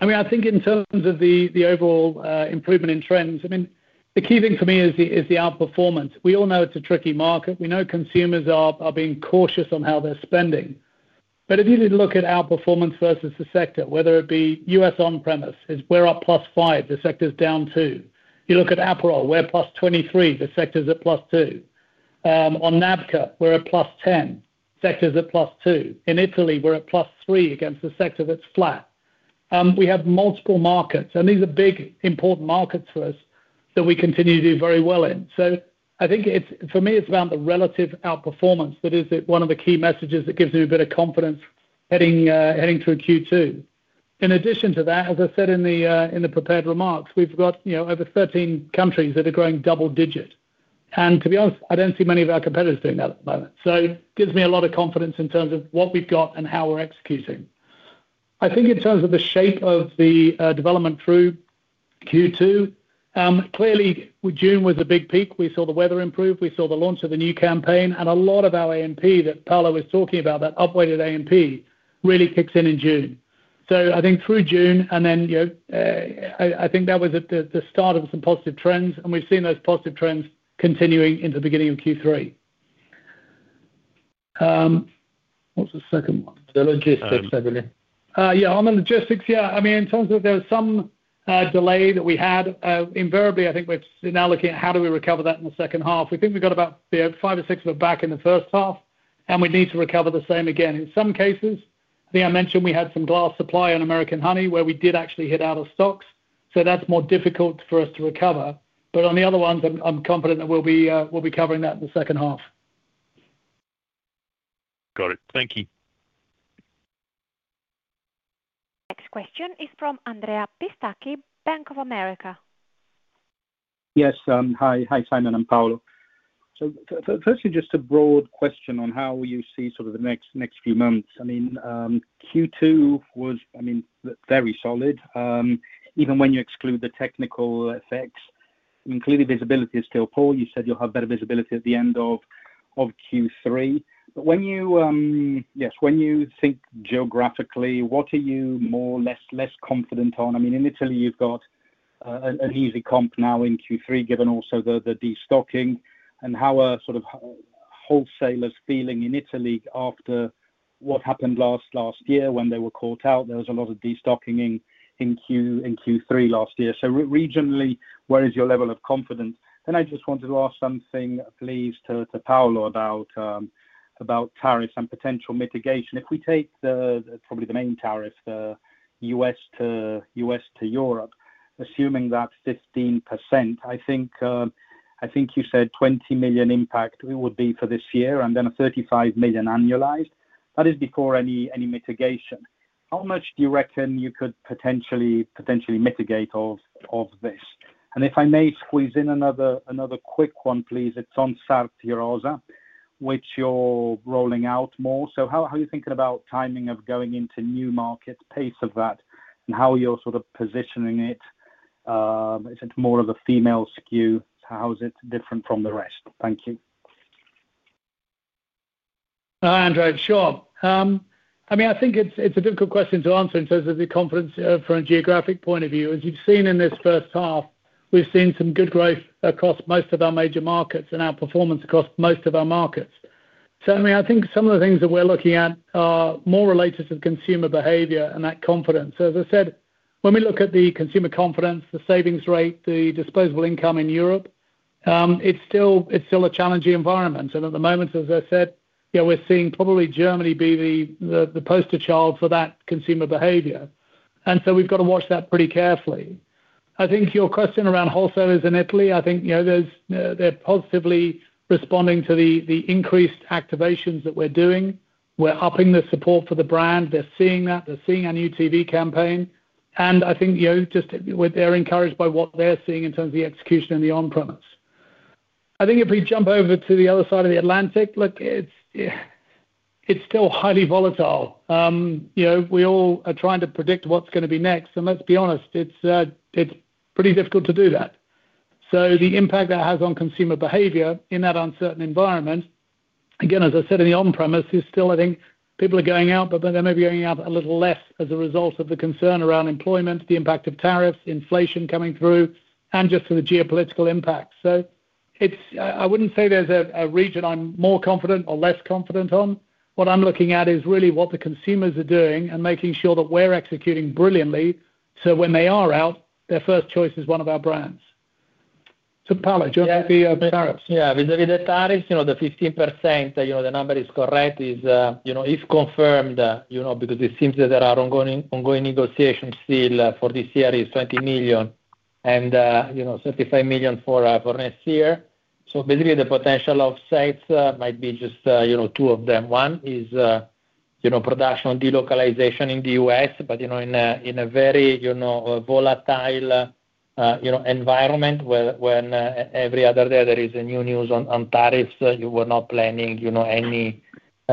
I think in terms of the overall improvement in trends, the key thing for me is the outperformance. We all know it's a tricky market. We know consumers are being cautious on how they're spending. If you look at outperformance versus the sector, whether it be U.S on-premise, we're up +5%. The sector's down 2%. You look at Aperol, we're +23%. The sector's at +2%. On NABCA, we're at +10%, sector's at +2%. In Italy, we're at +3% against the sector that's flat. We have multiple markets and these are big, important markets for us that we continue to do very well in. For me it's about the relative outperformance that is one of the key messages that gives me a bit of confidence heading through Q2. In addition to that, as I said in the prepared remarks, we've got over 13 countries that are growing double digit. To be honest, I don't see many of our competitors doing that at the moment. It gives me a lot of confidence in terms of what we've got and how we're executing. I think in terms of the shape of the development through Q2, clearly June was a big peak. We saw the weather improve, we saw the launch of the new campaign and a lot of our A&P that Paolo was talking about, that up-weighted A&P really kicks in in June. Through June, that was the start of some positive trends and we've seen those positive trends continuing in the beginning of Q3. What's the second one? The logistics. On the logistics, in terms of there's some delay that we had invariably. I think we're now looking at how do we recover that in the second half. We think we got about five or six of it back in the first half, and we need to recover the same again in some cases. I mentioned we had some glass supply on American Honey, where we did actually hit out of stocks. That's more difficult for us to recover, but on the other ones, I'm confident that we'll be covering that in the second half. Got it. Thank you. Next question is from Andrea Pistacchi, Bank of America. Yes, hi. Hi, Simon and Paolo. Firstly, just a broad question on how you see sort of the next few months. Q2 was very solid even when you exclude the technical effects, including visibility is still poor. You said you'll have better visibility at the end of Q3. When you think geographically, what are you more less confident on? I mean, in Italy you've got an easy comp now in Q3, given also the destocking, and how are sort of wholesalers feeling in Italy after what happened last year when they were caught out? There was a lot of destocking in Q3 last year. Regionally, where is your level of confidence? I just wanted to ask something, please, to Paolo, about tariffs and potential mitigation. If we take probably the main tariff. The U.S. to Europe, assuming that 15%, I think you said 20 million impact would be for this year and then a 35 million annualized that is before any mitigation, how much do you reckon could you potentially mitigate this? If I may squeeze in another quick one, please. It's on Sarti Rosa, which you're rolling out more. How are you thinking about timing of going into new markets, pace of. That and how you're sort of positioning it? Is it more of a female skew? How is it different from the rest? Thank you. Andre. Sure. I mean, I think it's a difficult question to answer in terms of the confidence from a geographic point of view. As you've seen in this first half, we've seen some good growth across most of our major markets and outperformance across most of our markets. Certainly, I think some of the things that we're looking at are more related to the consumer behavior and that confidence. As I said, when we look at the consumer confidence, the savings rate, the disposable income in Europe, it's still a challenging environment. At the moment, as I said, we're seeing probably Germany be the poster child for that consumer behavior, and we've got to watch that pretty carefully. I think your question around wholesalers in Italy, I think they're positively responding to the increased activations that we're doing. We're upping the support for the brand. They're seeing that, they're seeing a new TV campaign, and they're encouraged by what they're seeing in terms of the execution and the on-premise. If we jump over to the other side of the Atlantic, it's still highly volatile. We all are trying to predict what's going to be next. Let's be honest, it's pretty difficult to do that. The impact that has on consumer behavior in that uncertain environment, again, as I said, in the on-premise is still, I think people are going out, but they may be going out a little less as a result of the concern around employment, the impact of tariffs, inflation coming through, and just the geopolitical impact. I wouldn't say there's a region I'm more confident or less confident on. What I'm looking at is really what the consumers are doing and making sure that we're executing brilliantly. When they are out, their first choice is one of our brands. Paolo, do you want to take the tariffs? Yeah, with the tariffs, the 15%, the number is correct, if confirmed, because it seems that there are ongoing negotiations still for this year. It is 20 million and 35 million for next year. Basically, the potential offsets might be just two of them. One is production delocalization in the U.S., but in a very volatile environment, when every other day there is new news on tariffs, you were not planning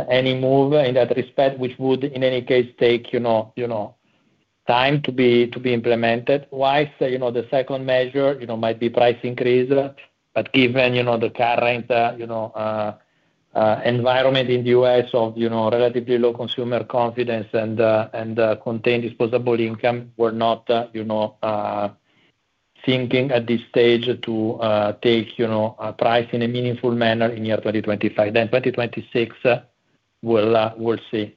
any move in that respect, which would, in any case, take time to be implemented. The second measure might be price increase, but given the current environment in the U.S. of relatively low consumer confidence and contained disposable income, we're not thinking at this stage to take price in a meaningful manner in year 2025. In 2026, we'll see.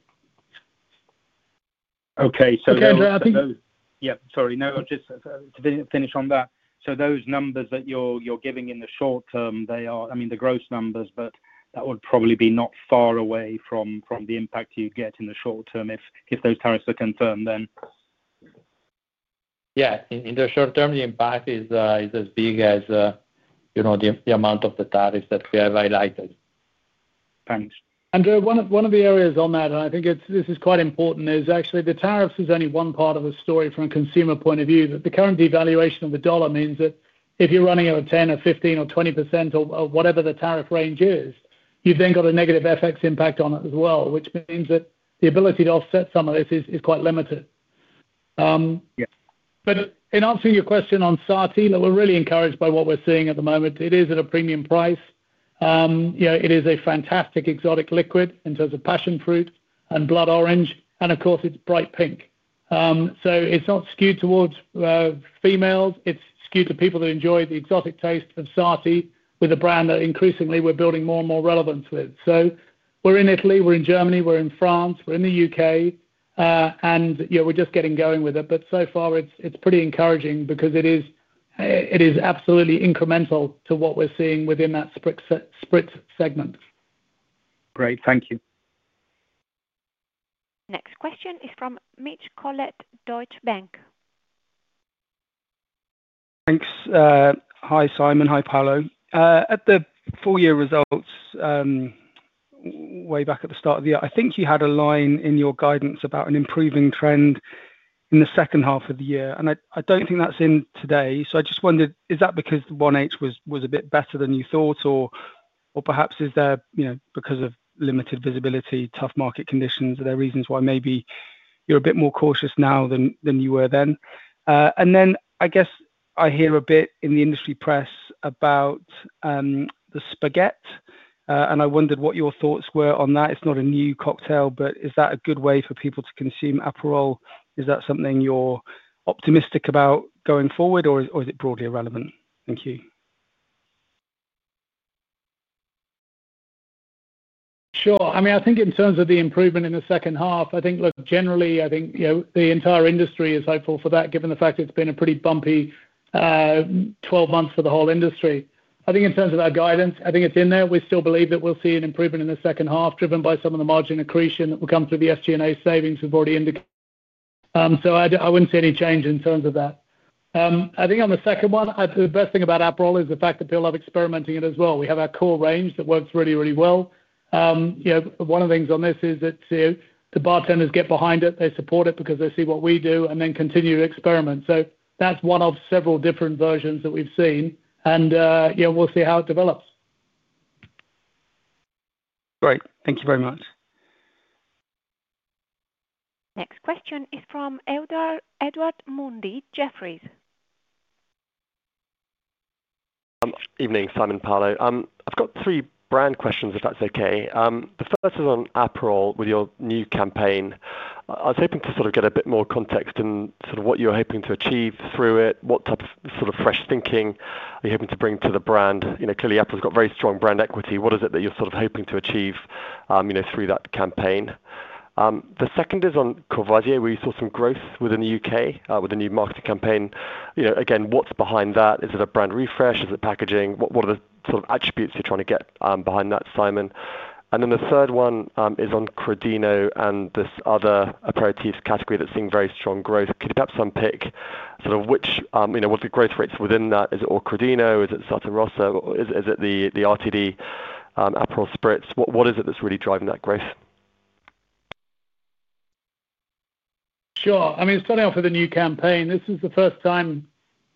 Okay, sorry, just to finish on that. Those numbers that you're giving in the short term, they are. I mean. The gross numbers, but that would probably be not far away from the impact you get in the short term if those tariffs are confirmed, then? Yeah. In the short term, the impact is as big as, you know, the amount of the tariffs that we have highlighted. Thanks. Andrew. One of the areas that I think is quite important is actually the tariffs are only one part of the story from a consumer point of view. The current devaluation of the dollar means that if you're running at a 10% or 15% or 20% or whatever the tariff range is, you've then got a negative FX impact on it as well, which means that the ability to offset some of this is quite limited. In answering your question on Sarti, we're really encouraged by what we're seeing at the moment. It is at a premium price. It is a fantastic exotic liquid in terms of passion fruit and blood orange. Of course, it's bright pink, so it's not skewed towards females. It's skewed to people that enjoy the exotic taste of Sarti. It's a brand that increasingly we're building more and more relevance with, so we're in Italy, we're in Germany, we're in France, we're in the U.K., and we're just getting going with it. So far it's pretty encouraging because it is absolutely incremental to what we're seeing within that spritz segment. Great, thank you. Next question is from Mitch Collett, Deutsche Bank. Thanks. Hi, Simon. Hi, Paolo. At the full year results, way back at the start of the year, I think you had a line in your guidance about an improving trend in the second half of the year, and I don't think that's in today. I just wondered, is that because 1H was a bit better than you thought, or perhaps is there because of limited visibility, tough market conditions, are there reasons why maybe you're a bit more cautious now than you were then? I guess I hear a bit in the industry press about the spaghetti and I wondered what your thoughts were on that. It's not a new cocktail, but is that a good way for people to consume Aperol? Is that something you're optimistic about going forward or is it broadly irrelevant? Thank you. Sure. I think in terms of the improvement in the second half, I think generally, the entire industry is hopeful for that, given the fact it's been a pretty bumpy 12 months for the whole industry. In terms of our guidance, I think it's in there. We still believe that we'll see an improvement in the second half driven by some of the margin accretion that will come through the SG&A savings we've already indicated. I wouldn't see any change in terms of that. On the second one, the best thing about Aperol is the fact that people are experimenting it as well. We have our core range that works really, really well. One of the things on this is that the bartenders get behind it, they support it because they see what we do and then continue to experiment. That's one of several different versions that we've seen and we'll see how it develops. Great. Thank you very much. Next question is from Edward Mundy, Jefferies. Evening. Simon Hunt. I've got three brand questions, if that's okay. The first is on Aperol. With your new campaign, I was hoping to get a bit more context in what you're hoping to achieve through it. What type of fresh thinking are you hoping to bring to the brand? Clearly, Aperol's got very strong brand equity. What is it that you're sort of hoping to achieve through that campaign. The second is on Courvoisier. We saw some growth within the U.K. With the new marketing campaign. Again, what's behind that? Is it a brand refresh? Is it packaging? What are the attributes you're trying to get behind that, Simon? The third one is on Crodino and this other aperitifs category that's seeing very strong growth. Could you perhaps unpick what the growth rates within that? Is it rr Crodino? Is it Sarti Rosa? Is it the RTD Aperol Spritz? What is it that's really driving that growth? Sure. I mean, starting off with a new campaign, this is the first time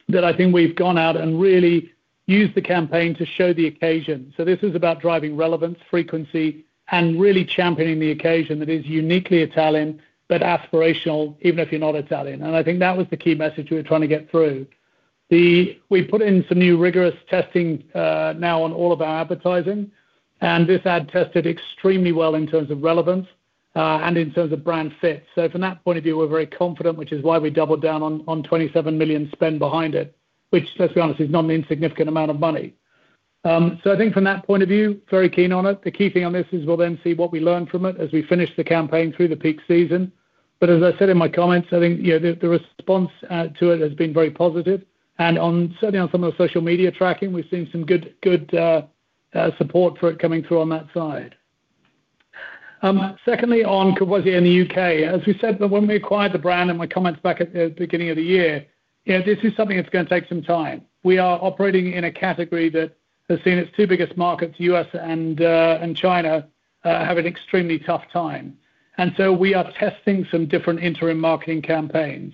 that I think we've gone out and really used the campaign to show the occasion. This is about driving relevance, frequency, and really championing the occasion. That is uniquely Italian, but aspirational, even if you're not Italian. I think that was the key message we were trying to get through. We put in some new rigorous testing now on all of our advertising, and this ad tested extremely well in terms of relevance and in terms of brand fit. From that point of view, we're very confident, which is why we doubled down on 27 million spend behind it, which, let's be honest, is not an insignificant amount of money. I think, from that point of view, very keen on it. The key thing on this is we'll then see what we learn from it as we finish the campaign through the peak season. As I said in my comments, I think the response to it has been very positive and certainly on some of the social media tracking, we've seen some good support for it coming through on that side. Secondly, on Courvoisier in the U.K., as we said when we acquired the brand, and my comments back at the beginning of the year, this is something that's going to take some time. We are operating in a category that has seen its two biggest markets, U.S. and China, have an extremely tough time. We are testing some different interim marketing campaigns.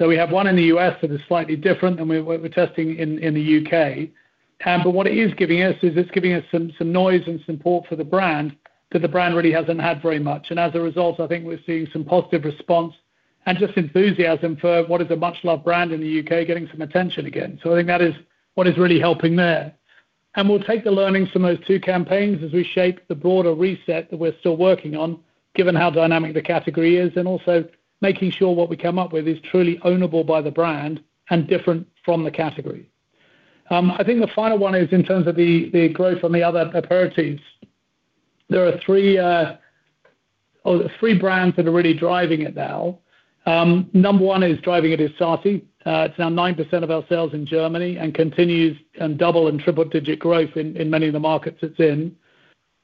We have one in the U.S. that is slightly different than what we're testing in the U.K., but what it is giving us is it's giving us some noise and support for the brand that the brand really hasn't had very much. As a result, I think we're seeing some positive response and just enthusiasm for what is a much loved brand in the U.K., getting some attention again. I think that is what is really helping there. We'll take the learnings from those two campaigns as we shape the broader reset that we're still working on given how dynamic the category is and also making sure what we come up with is truly ownable by the brand and different from the category. I think the final one is in terms of the growth on the other aperitifs, there are three brands that are really driving it now. Number one is driving it is Sarti Rosa. It's now 9% of our sales in Germany and continues double and triple digit growth in many of the markets it's in.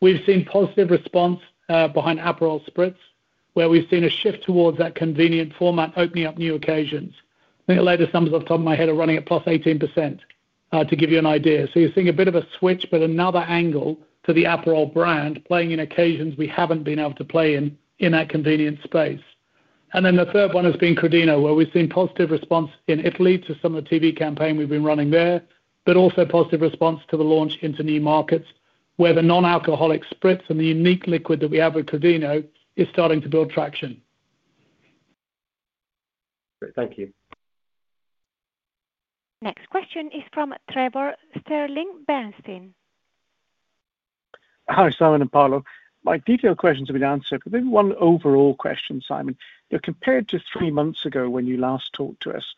We've seen positive response behind Aperol Spritz where we've seen a shift towards that convenient format, opening up new occasions later. Some off the top of my head are running at +18% to give you an idea, so you're seeing a bit of a switch, but another angle to the Aperol brand playing in occasions we haven't been able to play in in that convenience space. The third one has been Crodino where we've seen positive response in Italy to some of the TV campaign we've been running there, but also positive response to the launch into new markets where the non-alcoholic spritz and the unique liquid that we have at Crodino is starting to build traction. Thank you. Next question is from Trevor Stirling, Bernstein. Hi Simon and Paolo. My detailed questions have been answered, but maybe one overall question, Simon, compared to three months ago when you last talked to us,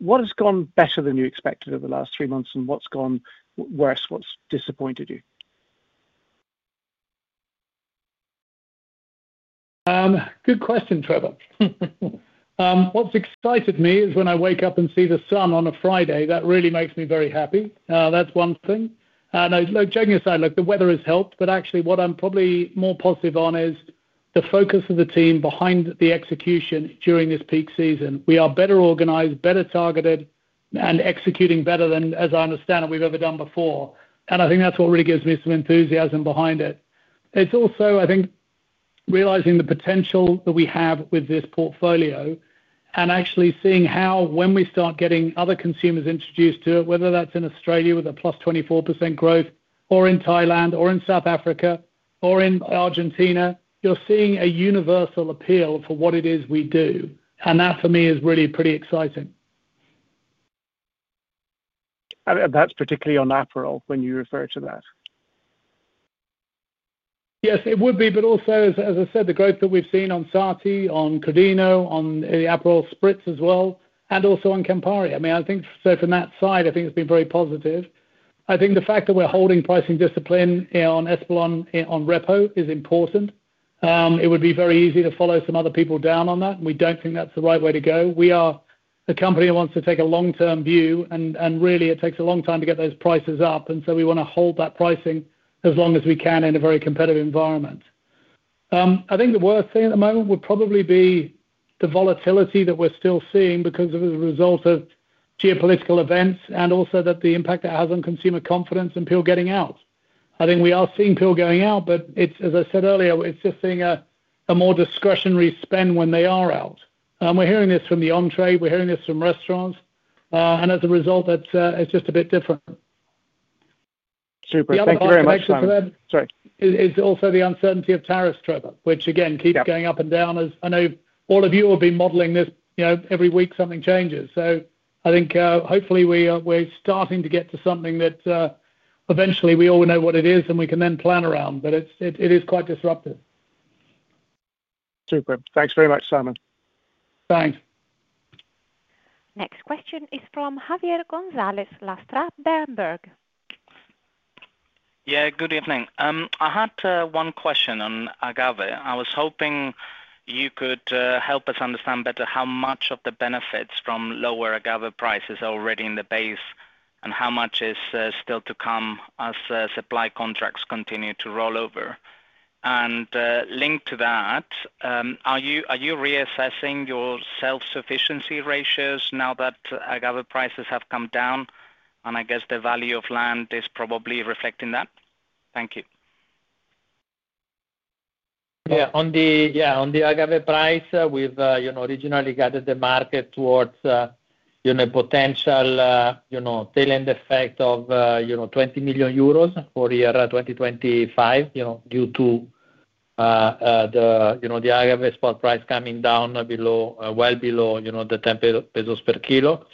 what has gone better than you expected over the last three months and what's gone worse? What's disappointed you? Good question, Trevor. What's excited me is when I wake up and see the sun on a Friday, that really makes me very happy. That's one thing. Joking aside, the weather has helped, but actually what I'm probably more positive on is the focus of the team behind the execution. During this peak season we are better organized, better targeted, and executing better than, as I understand it, we've ever done before. I think that's what really gives me some enthusiasm behind it. It's also, I think, realizing the potential that we have with this portfolio and actually seeing how, when we start getting other consumers introduced to it, whether that's in Australia with a +24% growth or in Thailand or in South Africa or in Argentina, you're seeing a universal appeal for what it is we do. That for me is really pretty exciting. That's particularly on Aperol when you refer to that? Yes, it would be. Also, as I said, the growth that we've seen on Sarti Rosa, on Crodino, on the Aperol Spritz RTD as well, and also on Campari, I think from that side, it's been very positive. The fact that we're holding pricing discipline on Espolòn, on repo, is important. It would be very easy to follow some other people down on that. We don't think that's the right way to go. We are a company that wants to take a long-term view, and really it takes a long time to get those prices up, so we want to hold that pricing as long as we can in a very competitive environment. I think the worst thing at the moment would probably be the volatility that we're still seeing because of the result of geopolitical events and also the impact that has on consumer confidence and people getting out. I think we are seeing people going out, but as I said earlier, it's just seeing a more discretionary spend when they are out. We're hearing this from the on-premise channel, we're hearing this from restaurants, and as a result, it's just a bit different. Super, thank you very much. It's also the uncertainty of tariffs, Trevor, which again keeps going up and down, as I know all of you will be modeling this. Every week something changes. I think hopefully we're starting to get to something that eventually we all know what it is and we can then plan around, but it is quite disruptive. Super, thanks very much Simon. Thanks. Next question is from Javier Gonzalez Lastra, Berenberg. Yeah, good evening. I had one question on agave. I was hoping you could help us understand better how much of the benefits from lower agave prices are already in the base and how much is still to come as supply contracts continue to roll over, and linked to that, are you reassessing your self sufficiency ratios now that agave prices have come down? I guess the value of land is probably reflecting that. Thank you. On the agave price, we've originally guided the market towards potential tail end effect of 20 million euros for year 2025 due to the agave spot price coming down well below the 10 pesos per kilo.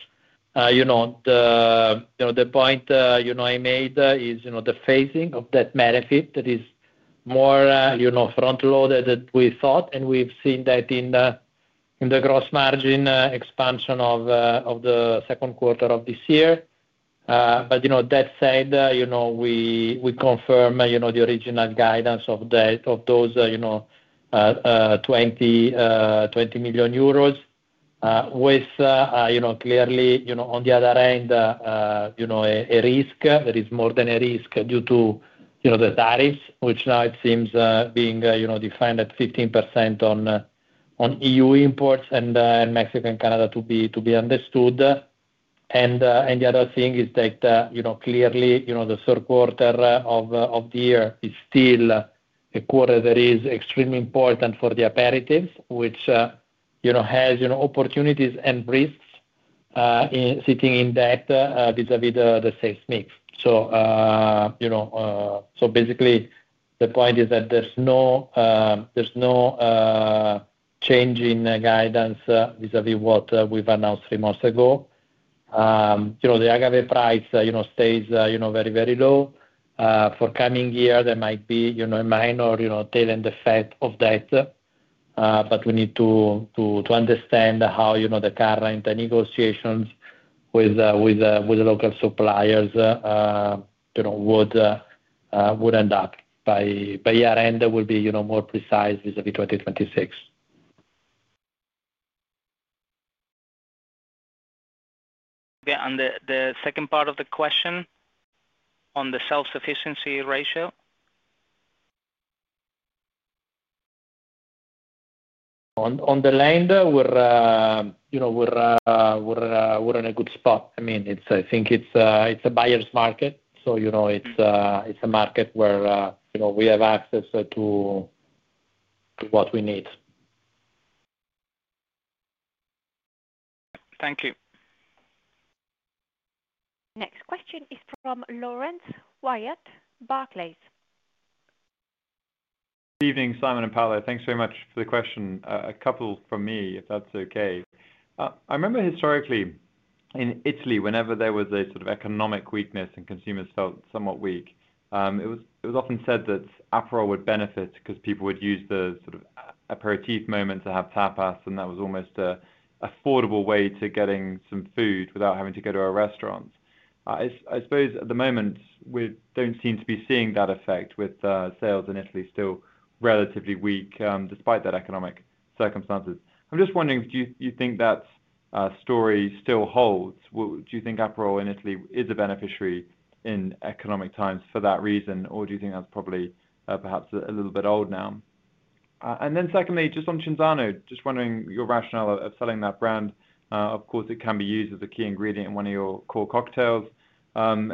The point I made is the phasing of that benefit that is more front loaded than we thought, and we've seen that in the gross margin expansion of the second quarter of this year. That said, we confirm the original guidance of those 20 million euros with, you know, clearly, you know, on the other end, you know, a risk that is more than a risk due to, you know, the tariffs which now it seems being, you know, defined at 15% on EU imports and Mexico and Canada to be understood. The other thing is that, you know, clearly, you know, the third quarter of the year is still a quarter that is extremely important for the aperitifs, which has opportunities and risks sitting in that vis-à-vis the sales mix. Basically, the point is that there's no change in guidance vis-à-vis what we've announced three months ago. The agave price stays very, very low for coming year. There might be a minor tail end effect of that, but we need to understand how the current negotiations with local suppliers would end up by year end. There will be more precise vis-à-vis 2026. The second part of the question. On the self-sufficiency ratio. On the land, we're in a good spot. I think it's a buyer's market, so it's a market where we have access to what we need. Thank you. Next question is from Laurence Whyatt, Barclays. Good evening. Simon and Paolo, thanks very much for the question. A couple from me, if that's okay. I remember historically in Italy, whenever there was a sort of economic weakness and consumers felt somewhat weak, it was often said that Aperol would benefit because people would use the sort of aperitif moment to have tapas. That was almost an affordable way to get some food without having to go to a restaurant. I suppose at the moment we don't seem to be seeing that effect, with sales in Italy still relatively weak despite the economic circumstances. I'm just wondering if you think that story still holds. Do you think Aperol in Italy is a beneficiary in economic times for that reason, or do you think that's probably perhaps a little bit old now? Secondly, just on Cinzano, just wondering your rationale for selling that brand. Of course, it can be used as a key ingredient in one of your core cocktails.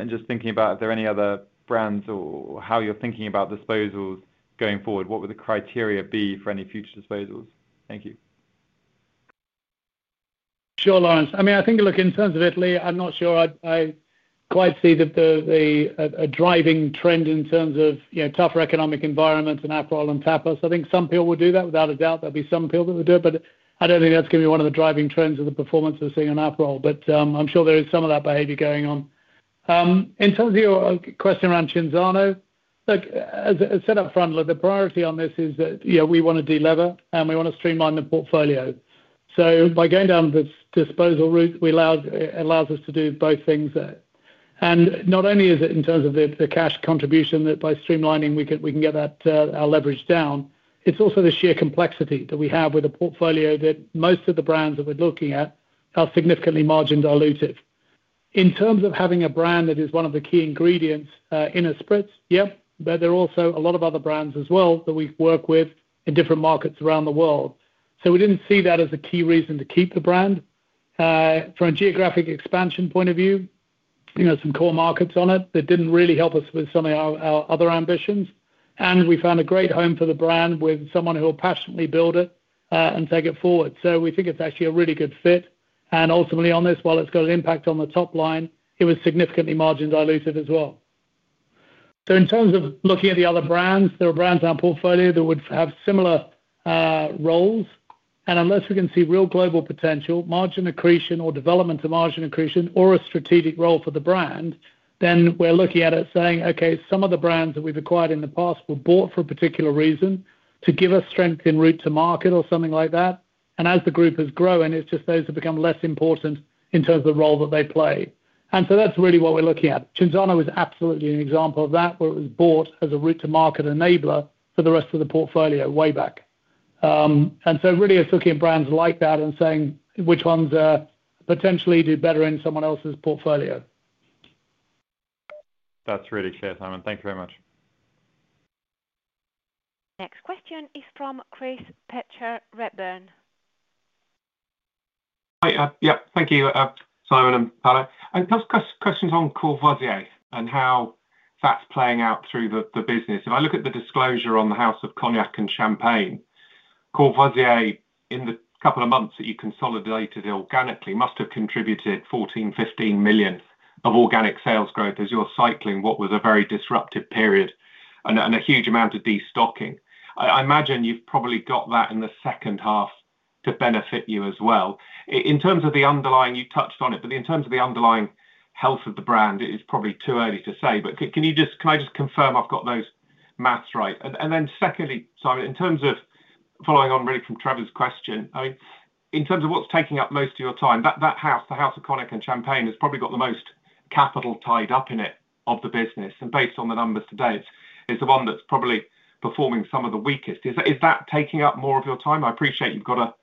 Just thinking about if there are any other brands or how you're thinking about disposals going forward, what would the criteria be for any future disposals? Thank you. Sure. Laurence, I mean, I think, look, in terms of Italy, I'm not sure I quite see that as a driving trend in terms of tougher economic environments in Aperol and tapas. I think some people will do that. Without a doubt, there'll be some people that would do it, but I don't think that's going to be one of the driving trends of the performance of seeing in Aperol. I'm sure there is some of that behavior going on. In terms of your question around Cinzano, as said up front, the priority on this is that we want to delever and we want to streamline the portfolio. By going down the disposal route, it allows us to do both things. Not only is it in terms of the cash contribution that by streamlining we can get that leverage down, it's also the sheer complexity that we have with a portfolio that most of the brands that we're looking at are significantly margin dilutive in terms of having a brand that is one of the key ingredients in Espolòn. Yep. There are also a lot of other brands as well that we work with in different markets around the world. We didn't see that as a key reason to keep the brand from a geographic expansion point of view. Some core markets on it didn't really help us with some of our other ambitions. We found a great home for the brand with someone who will passionately build it and take it forward. We think it's actually a really good fit. Ultimately on this, while it's got an impact on the top line, it was significantly margin dilutive as well. In terms of looking at the other brands, there are brands in our portfolio that would have similar roles. Unless we can see real global potential margin accretion or development of margin accretion or a strategic role for the brand, then we're looking at it saying, okay, some of the brands that we've acquired in the past were bought for a particular reason, to give us strength in route to market or something like that. As the group has grown, it's just those have become less important in terms of the role that they play. That's really what we're looking at. Cinzano is absolutely an example of that, where it was bought as a route to market enabler for the rest of the portfolio way back. It's really looking at brands like that and saying which ones potentially do better in someone else's portfolio. That's really clear. Simon, thank you very much. Next question is from Chris Pitcher, Redburn. Hi. Thank you. Simon and Paolo. Questions on Courvoisier and how that's playing out through the business. If I look at the disclosure on The House of Cognac and Champagne Courvoisier. In the couple of months that you consolidated organically, must have contributed 14 million, 15 million of organic sales growth. As you're cycling what was a very disruptive period and a huge amount of destocking, I imagine you've probably got that in the second half to benefit you. As well, in terms of the underlying, you touched on it. In terms of the underlying health of the brand, it is probably too early to say. Can I just confirm I've got those maths right? Secondly, Simon, in terms of following on really from Trevor's question, in terms of what's taking up most of your time, the House of Cognac and Champagne has probably got the most capital tied up in it of the business. Based on the numbers today, it's the one that's probably performing some of the weakest. Is that taking up more of your time? I appreciate you've got a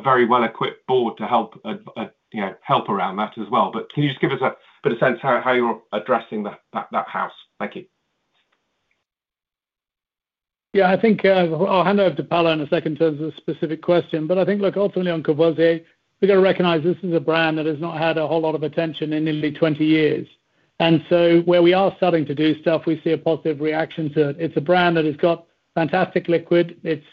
very well equipped board to help advise, you know, help around that as well. Can you just give us a bit of sense how you're addressing that house? Thank you. I think I'll hand over to Paolo in a second in terms of specific question. I think, look, ultimately on Courvoisier we got to recognize this is a brand that has not had a whole lot of attention in nearly 20 years. Where we are starting to do stuff, we see a positive reaction to it. It's a brand that has got fantastic liquid, it's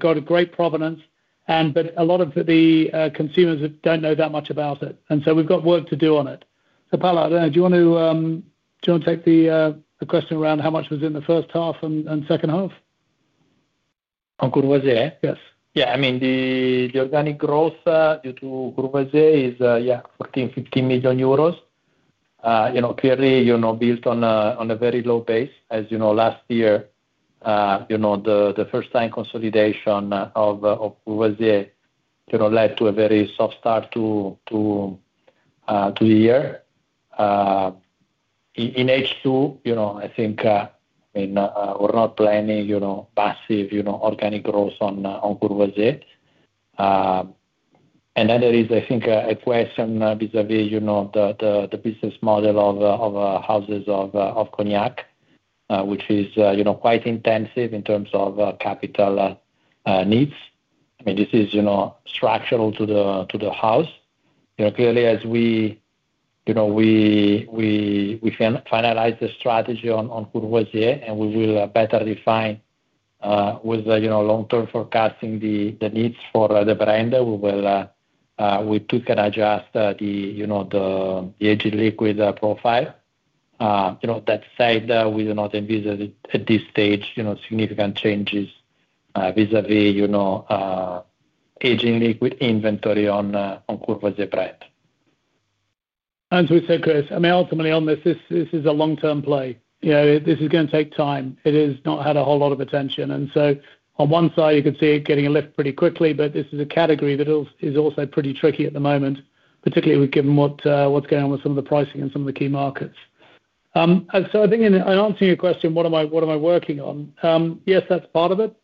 got a great provenance, but a lot of the consumers don't know that much about it. We've got work to do on it. Paolo, do you want to take the question around how much was in the first half and second half? Yes. Yeah. I mean the organic growth due to Courvoisier is 15 million euros. Clearly, you're not built on a very low base. As you know, last year, the first time consolidation of Courvoisier led to a very soft start to the year in H2. I think we're not planning massive organic growth on Courvoisier. There is, I think, a question vis-à-vis the business model of Houses of Cognac, which is quite intensive in terms of capital needs. I mean this is structural to the house. Clearly, as we finalize the strategy on Courvoisier and we will better define with long-term forecasting the needs for the veranda we took and adjust the agile liquid profile. That said, we do not envisage at this stage significant changes vis-à-vis liquid inventory on Courvoisier brand. As we said, Chris, ultimately on this, this is a long-term play. This is going to take time. It has not had a whole lot of attention. On one side you could see it getting a lift pretty quickly. This is a category that is also pretty tricky at the moment, particularly given what's going on with some of the pricing in some of the key markets. I think in answering your question, what am I working on? Yes, that's part of it.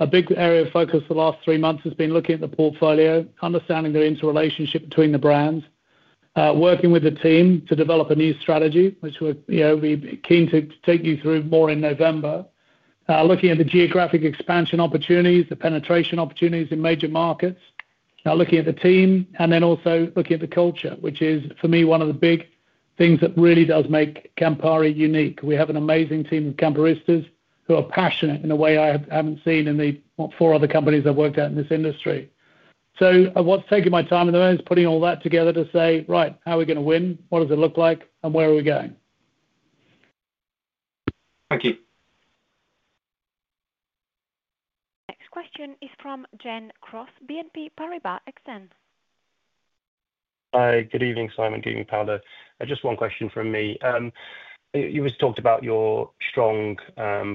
A big area of focus the last three months has been looking at the portfolio, understanding the interrelationship between the brands, working with the team to develop a new strategy which we'll be keen to take you through more in November. Looking at the geographic expansion opportunities, the penetration opportunities in major markets, now looking at the team and then also looking at the culture, which is for me one of the big things that really does make Campari unique. We have an amazing team of Camparistas who are passionate in a way I haven't seen in the four other companies I've worked at in this industry. What's taking my time in the moment is putting all that together to say, right, how are we going to win? What does it look like and where are we going? Thank you. Next question is from Gen Cross, BNP Paribas Exane. Hi, good evening, Simon. Good evening Paolo. Just one question from me. You just talked about your strong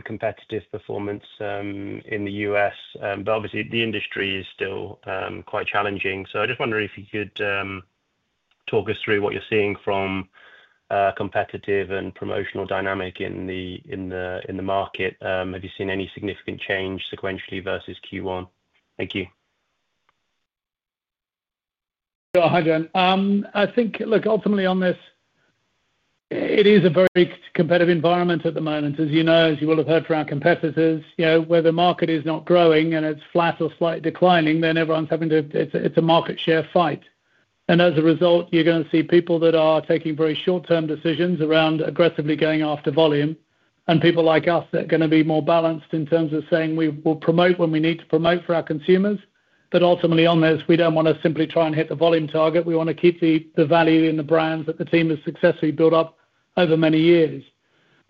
competitive performance in the U.S., but obviously the industry is still quite challenging. I just wonder if you could talk us through what you're seeing from competitive and promotional dynamic in the market. Have you seen any significant change sequentially versus Q1? Thank you. Hi, Gen. I think, look, ultimately on this, it is a very competitive environment at the moment, as you know, as you will have heard from our competitors. Where the market is not growing and it's flat or slightly declining, then everyone's having to—it's a market share fight. As a result, you're going to see people that are taking very short-term decisions around aggressively going after volume and people like us that are going to be more balanced in terms of saying we will promote when we need to promote for our consumers. Ultimately on this, we don't want to simply try and hit the volume target. We want to keep the value in the brands that the team has successfully built up over many years.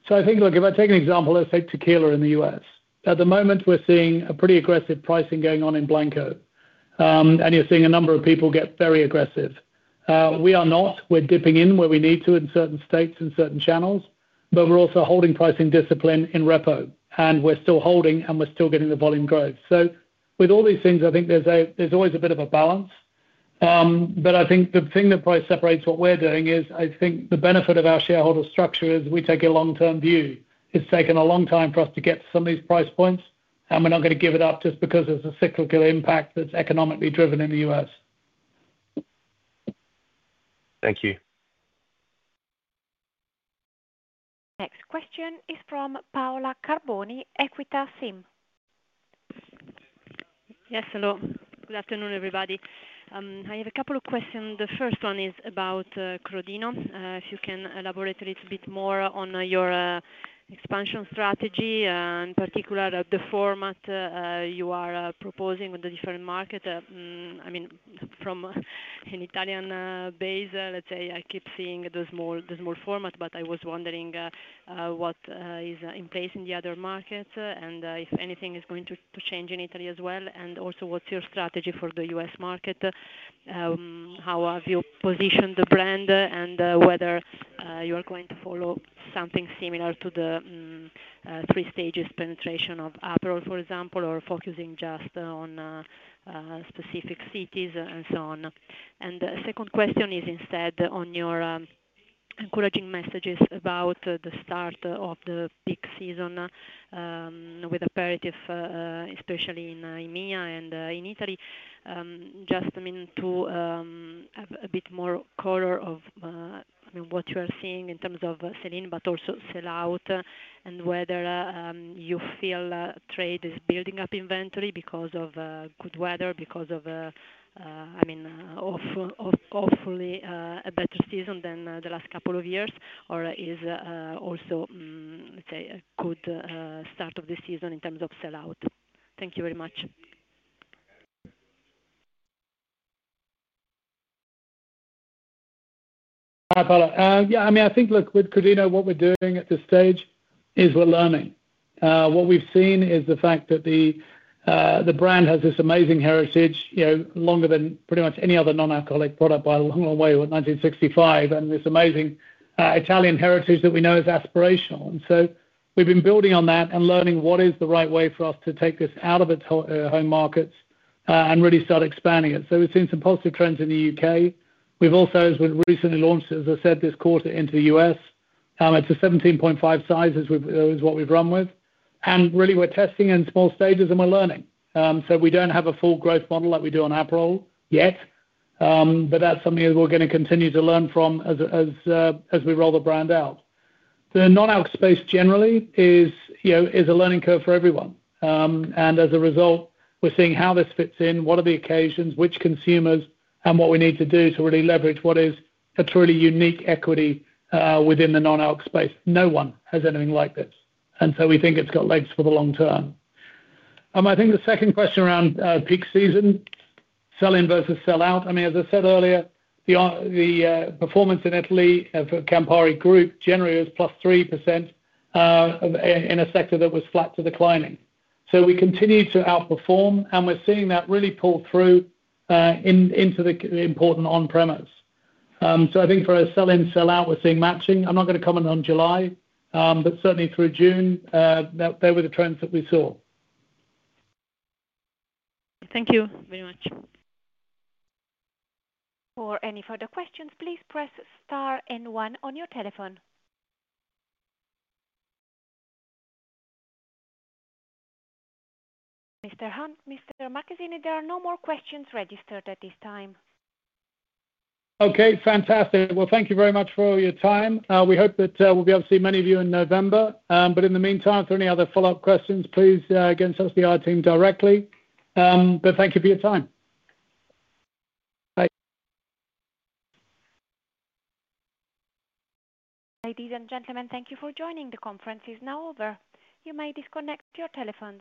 I think, look, if I take an example, let's take tequila in the U.S. At the moment we're seeing a pretty aggressive pricing going on in Blanco and you're seeing a number of people get very aggressive. We are not. We're dipping in where we need to in certain states, in certain channels, but we're also holding pricing discipline in repo and we're still holding and we're still getting the volume growth. With all these things I think there's always a bit of a balance. I think the thing that probably separates what we're doing is I think the benefit of our shareholder structure is we take a long-term view. It's taken a long time for us to get to some of these price points and we're not going to give it up just because there's a cyclical impact that's economically driven in the U.S. Thank you. Next question is from Paola Carboni, Equita SIM. Yes, hello. Good afternoon everybody. I have a couple of questions. The first one is about Crodino. If you can elaborate a little bit more on your expansion strategy. In particular, the format you are proposing with the different market. I mean from an Italian base, let's say I keep seeing the small format, but I was wondering what is in place in the other markets and if anything is going to change in Italy as well. Also, what's your strategy for the U.S. market? How have you positioned the brand and whether you are going to follow something similar to the three stages, penetration of Aperol for example, or focusing just on specific cities and so on. Second question is instead on your encouraging messages about the start of the peak season with aperitif, especially in EMEA and in Italy, just to have a bit more color of what you are seeing in terms of sell in but also sell out and whether you feel trade is building up inventory because of good weather, because of, I mean hopefully a better season than the last couple of years or is also a good start of the season in terms of sellout. Thank you very much. Hi Paola. Yeah, I mean I think look with Crodino what we're doing at this stage is we're learning. What we've seen is the fact that the brand has this amazing heritage, longer than pretty much any other non-alcoholic product by a long way, 1965, and this amazing Italian heritage that we know is aspirational. We've been building on that and learning what is the right way for us to take this out of its home markets and really start expanding it. We've seen some positive trends in the U.K. We've also, as we recently launched, as I said, this quarter into the U.S., it's a 17.5 size is what we've run with, and really we're testing in small stages and we're learning. We don't have a full growth model like we do on Aperol yet, but that's something we're going to continue to learn from as we roll the brand out. The non-alc space generally is a learning curve for everyone, and as a result we're seeing how this fits in, what are the occasions, which consumers, and what we need to do to really leverage what is a truly unique equity within the non-alc space. No one has anything like this, and we think it's got legs for the long term. I think the second question around peak season sell-in versus sellout. I mean, as I said earlier, the performance in Italy for Campari Group generally was +3% in a sector that was flat to declining. We continue to outperform, and we're seeing that really pull through into the important on-premise. For a sell-in, sellout, we're seeing matching. I'm not going to comment on July, but certainly through June, they were the trends that we saw. Thank you very much. For any further questions, please press star and one on your telephone. Mr. Hunt, Mr. Marchesini, there are no more questions registered at this time. Okay, fantastic. Thank you very much for your time. We hope that we'll be able to see many of you in November. In the meantime, if there are any other follow up questions, please get in touch with the IR team directly. Thank you for your time. Ladies and gentlemen, thank you for joining. The conference is now over. You may disconnect your telephones.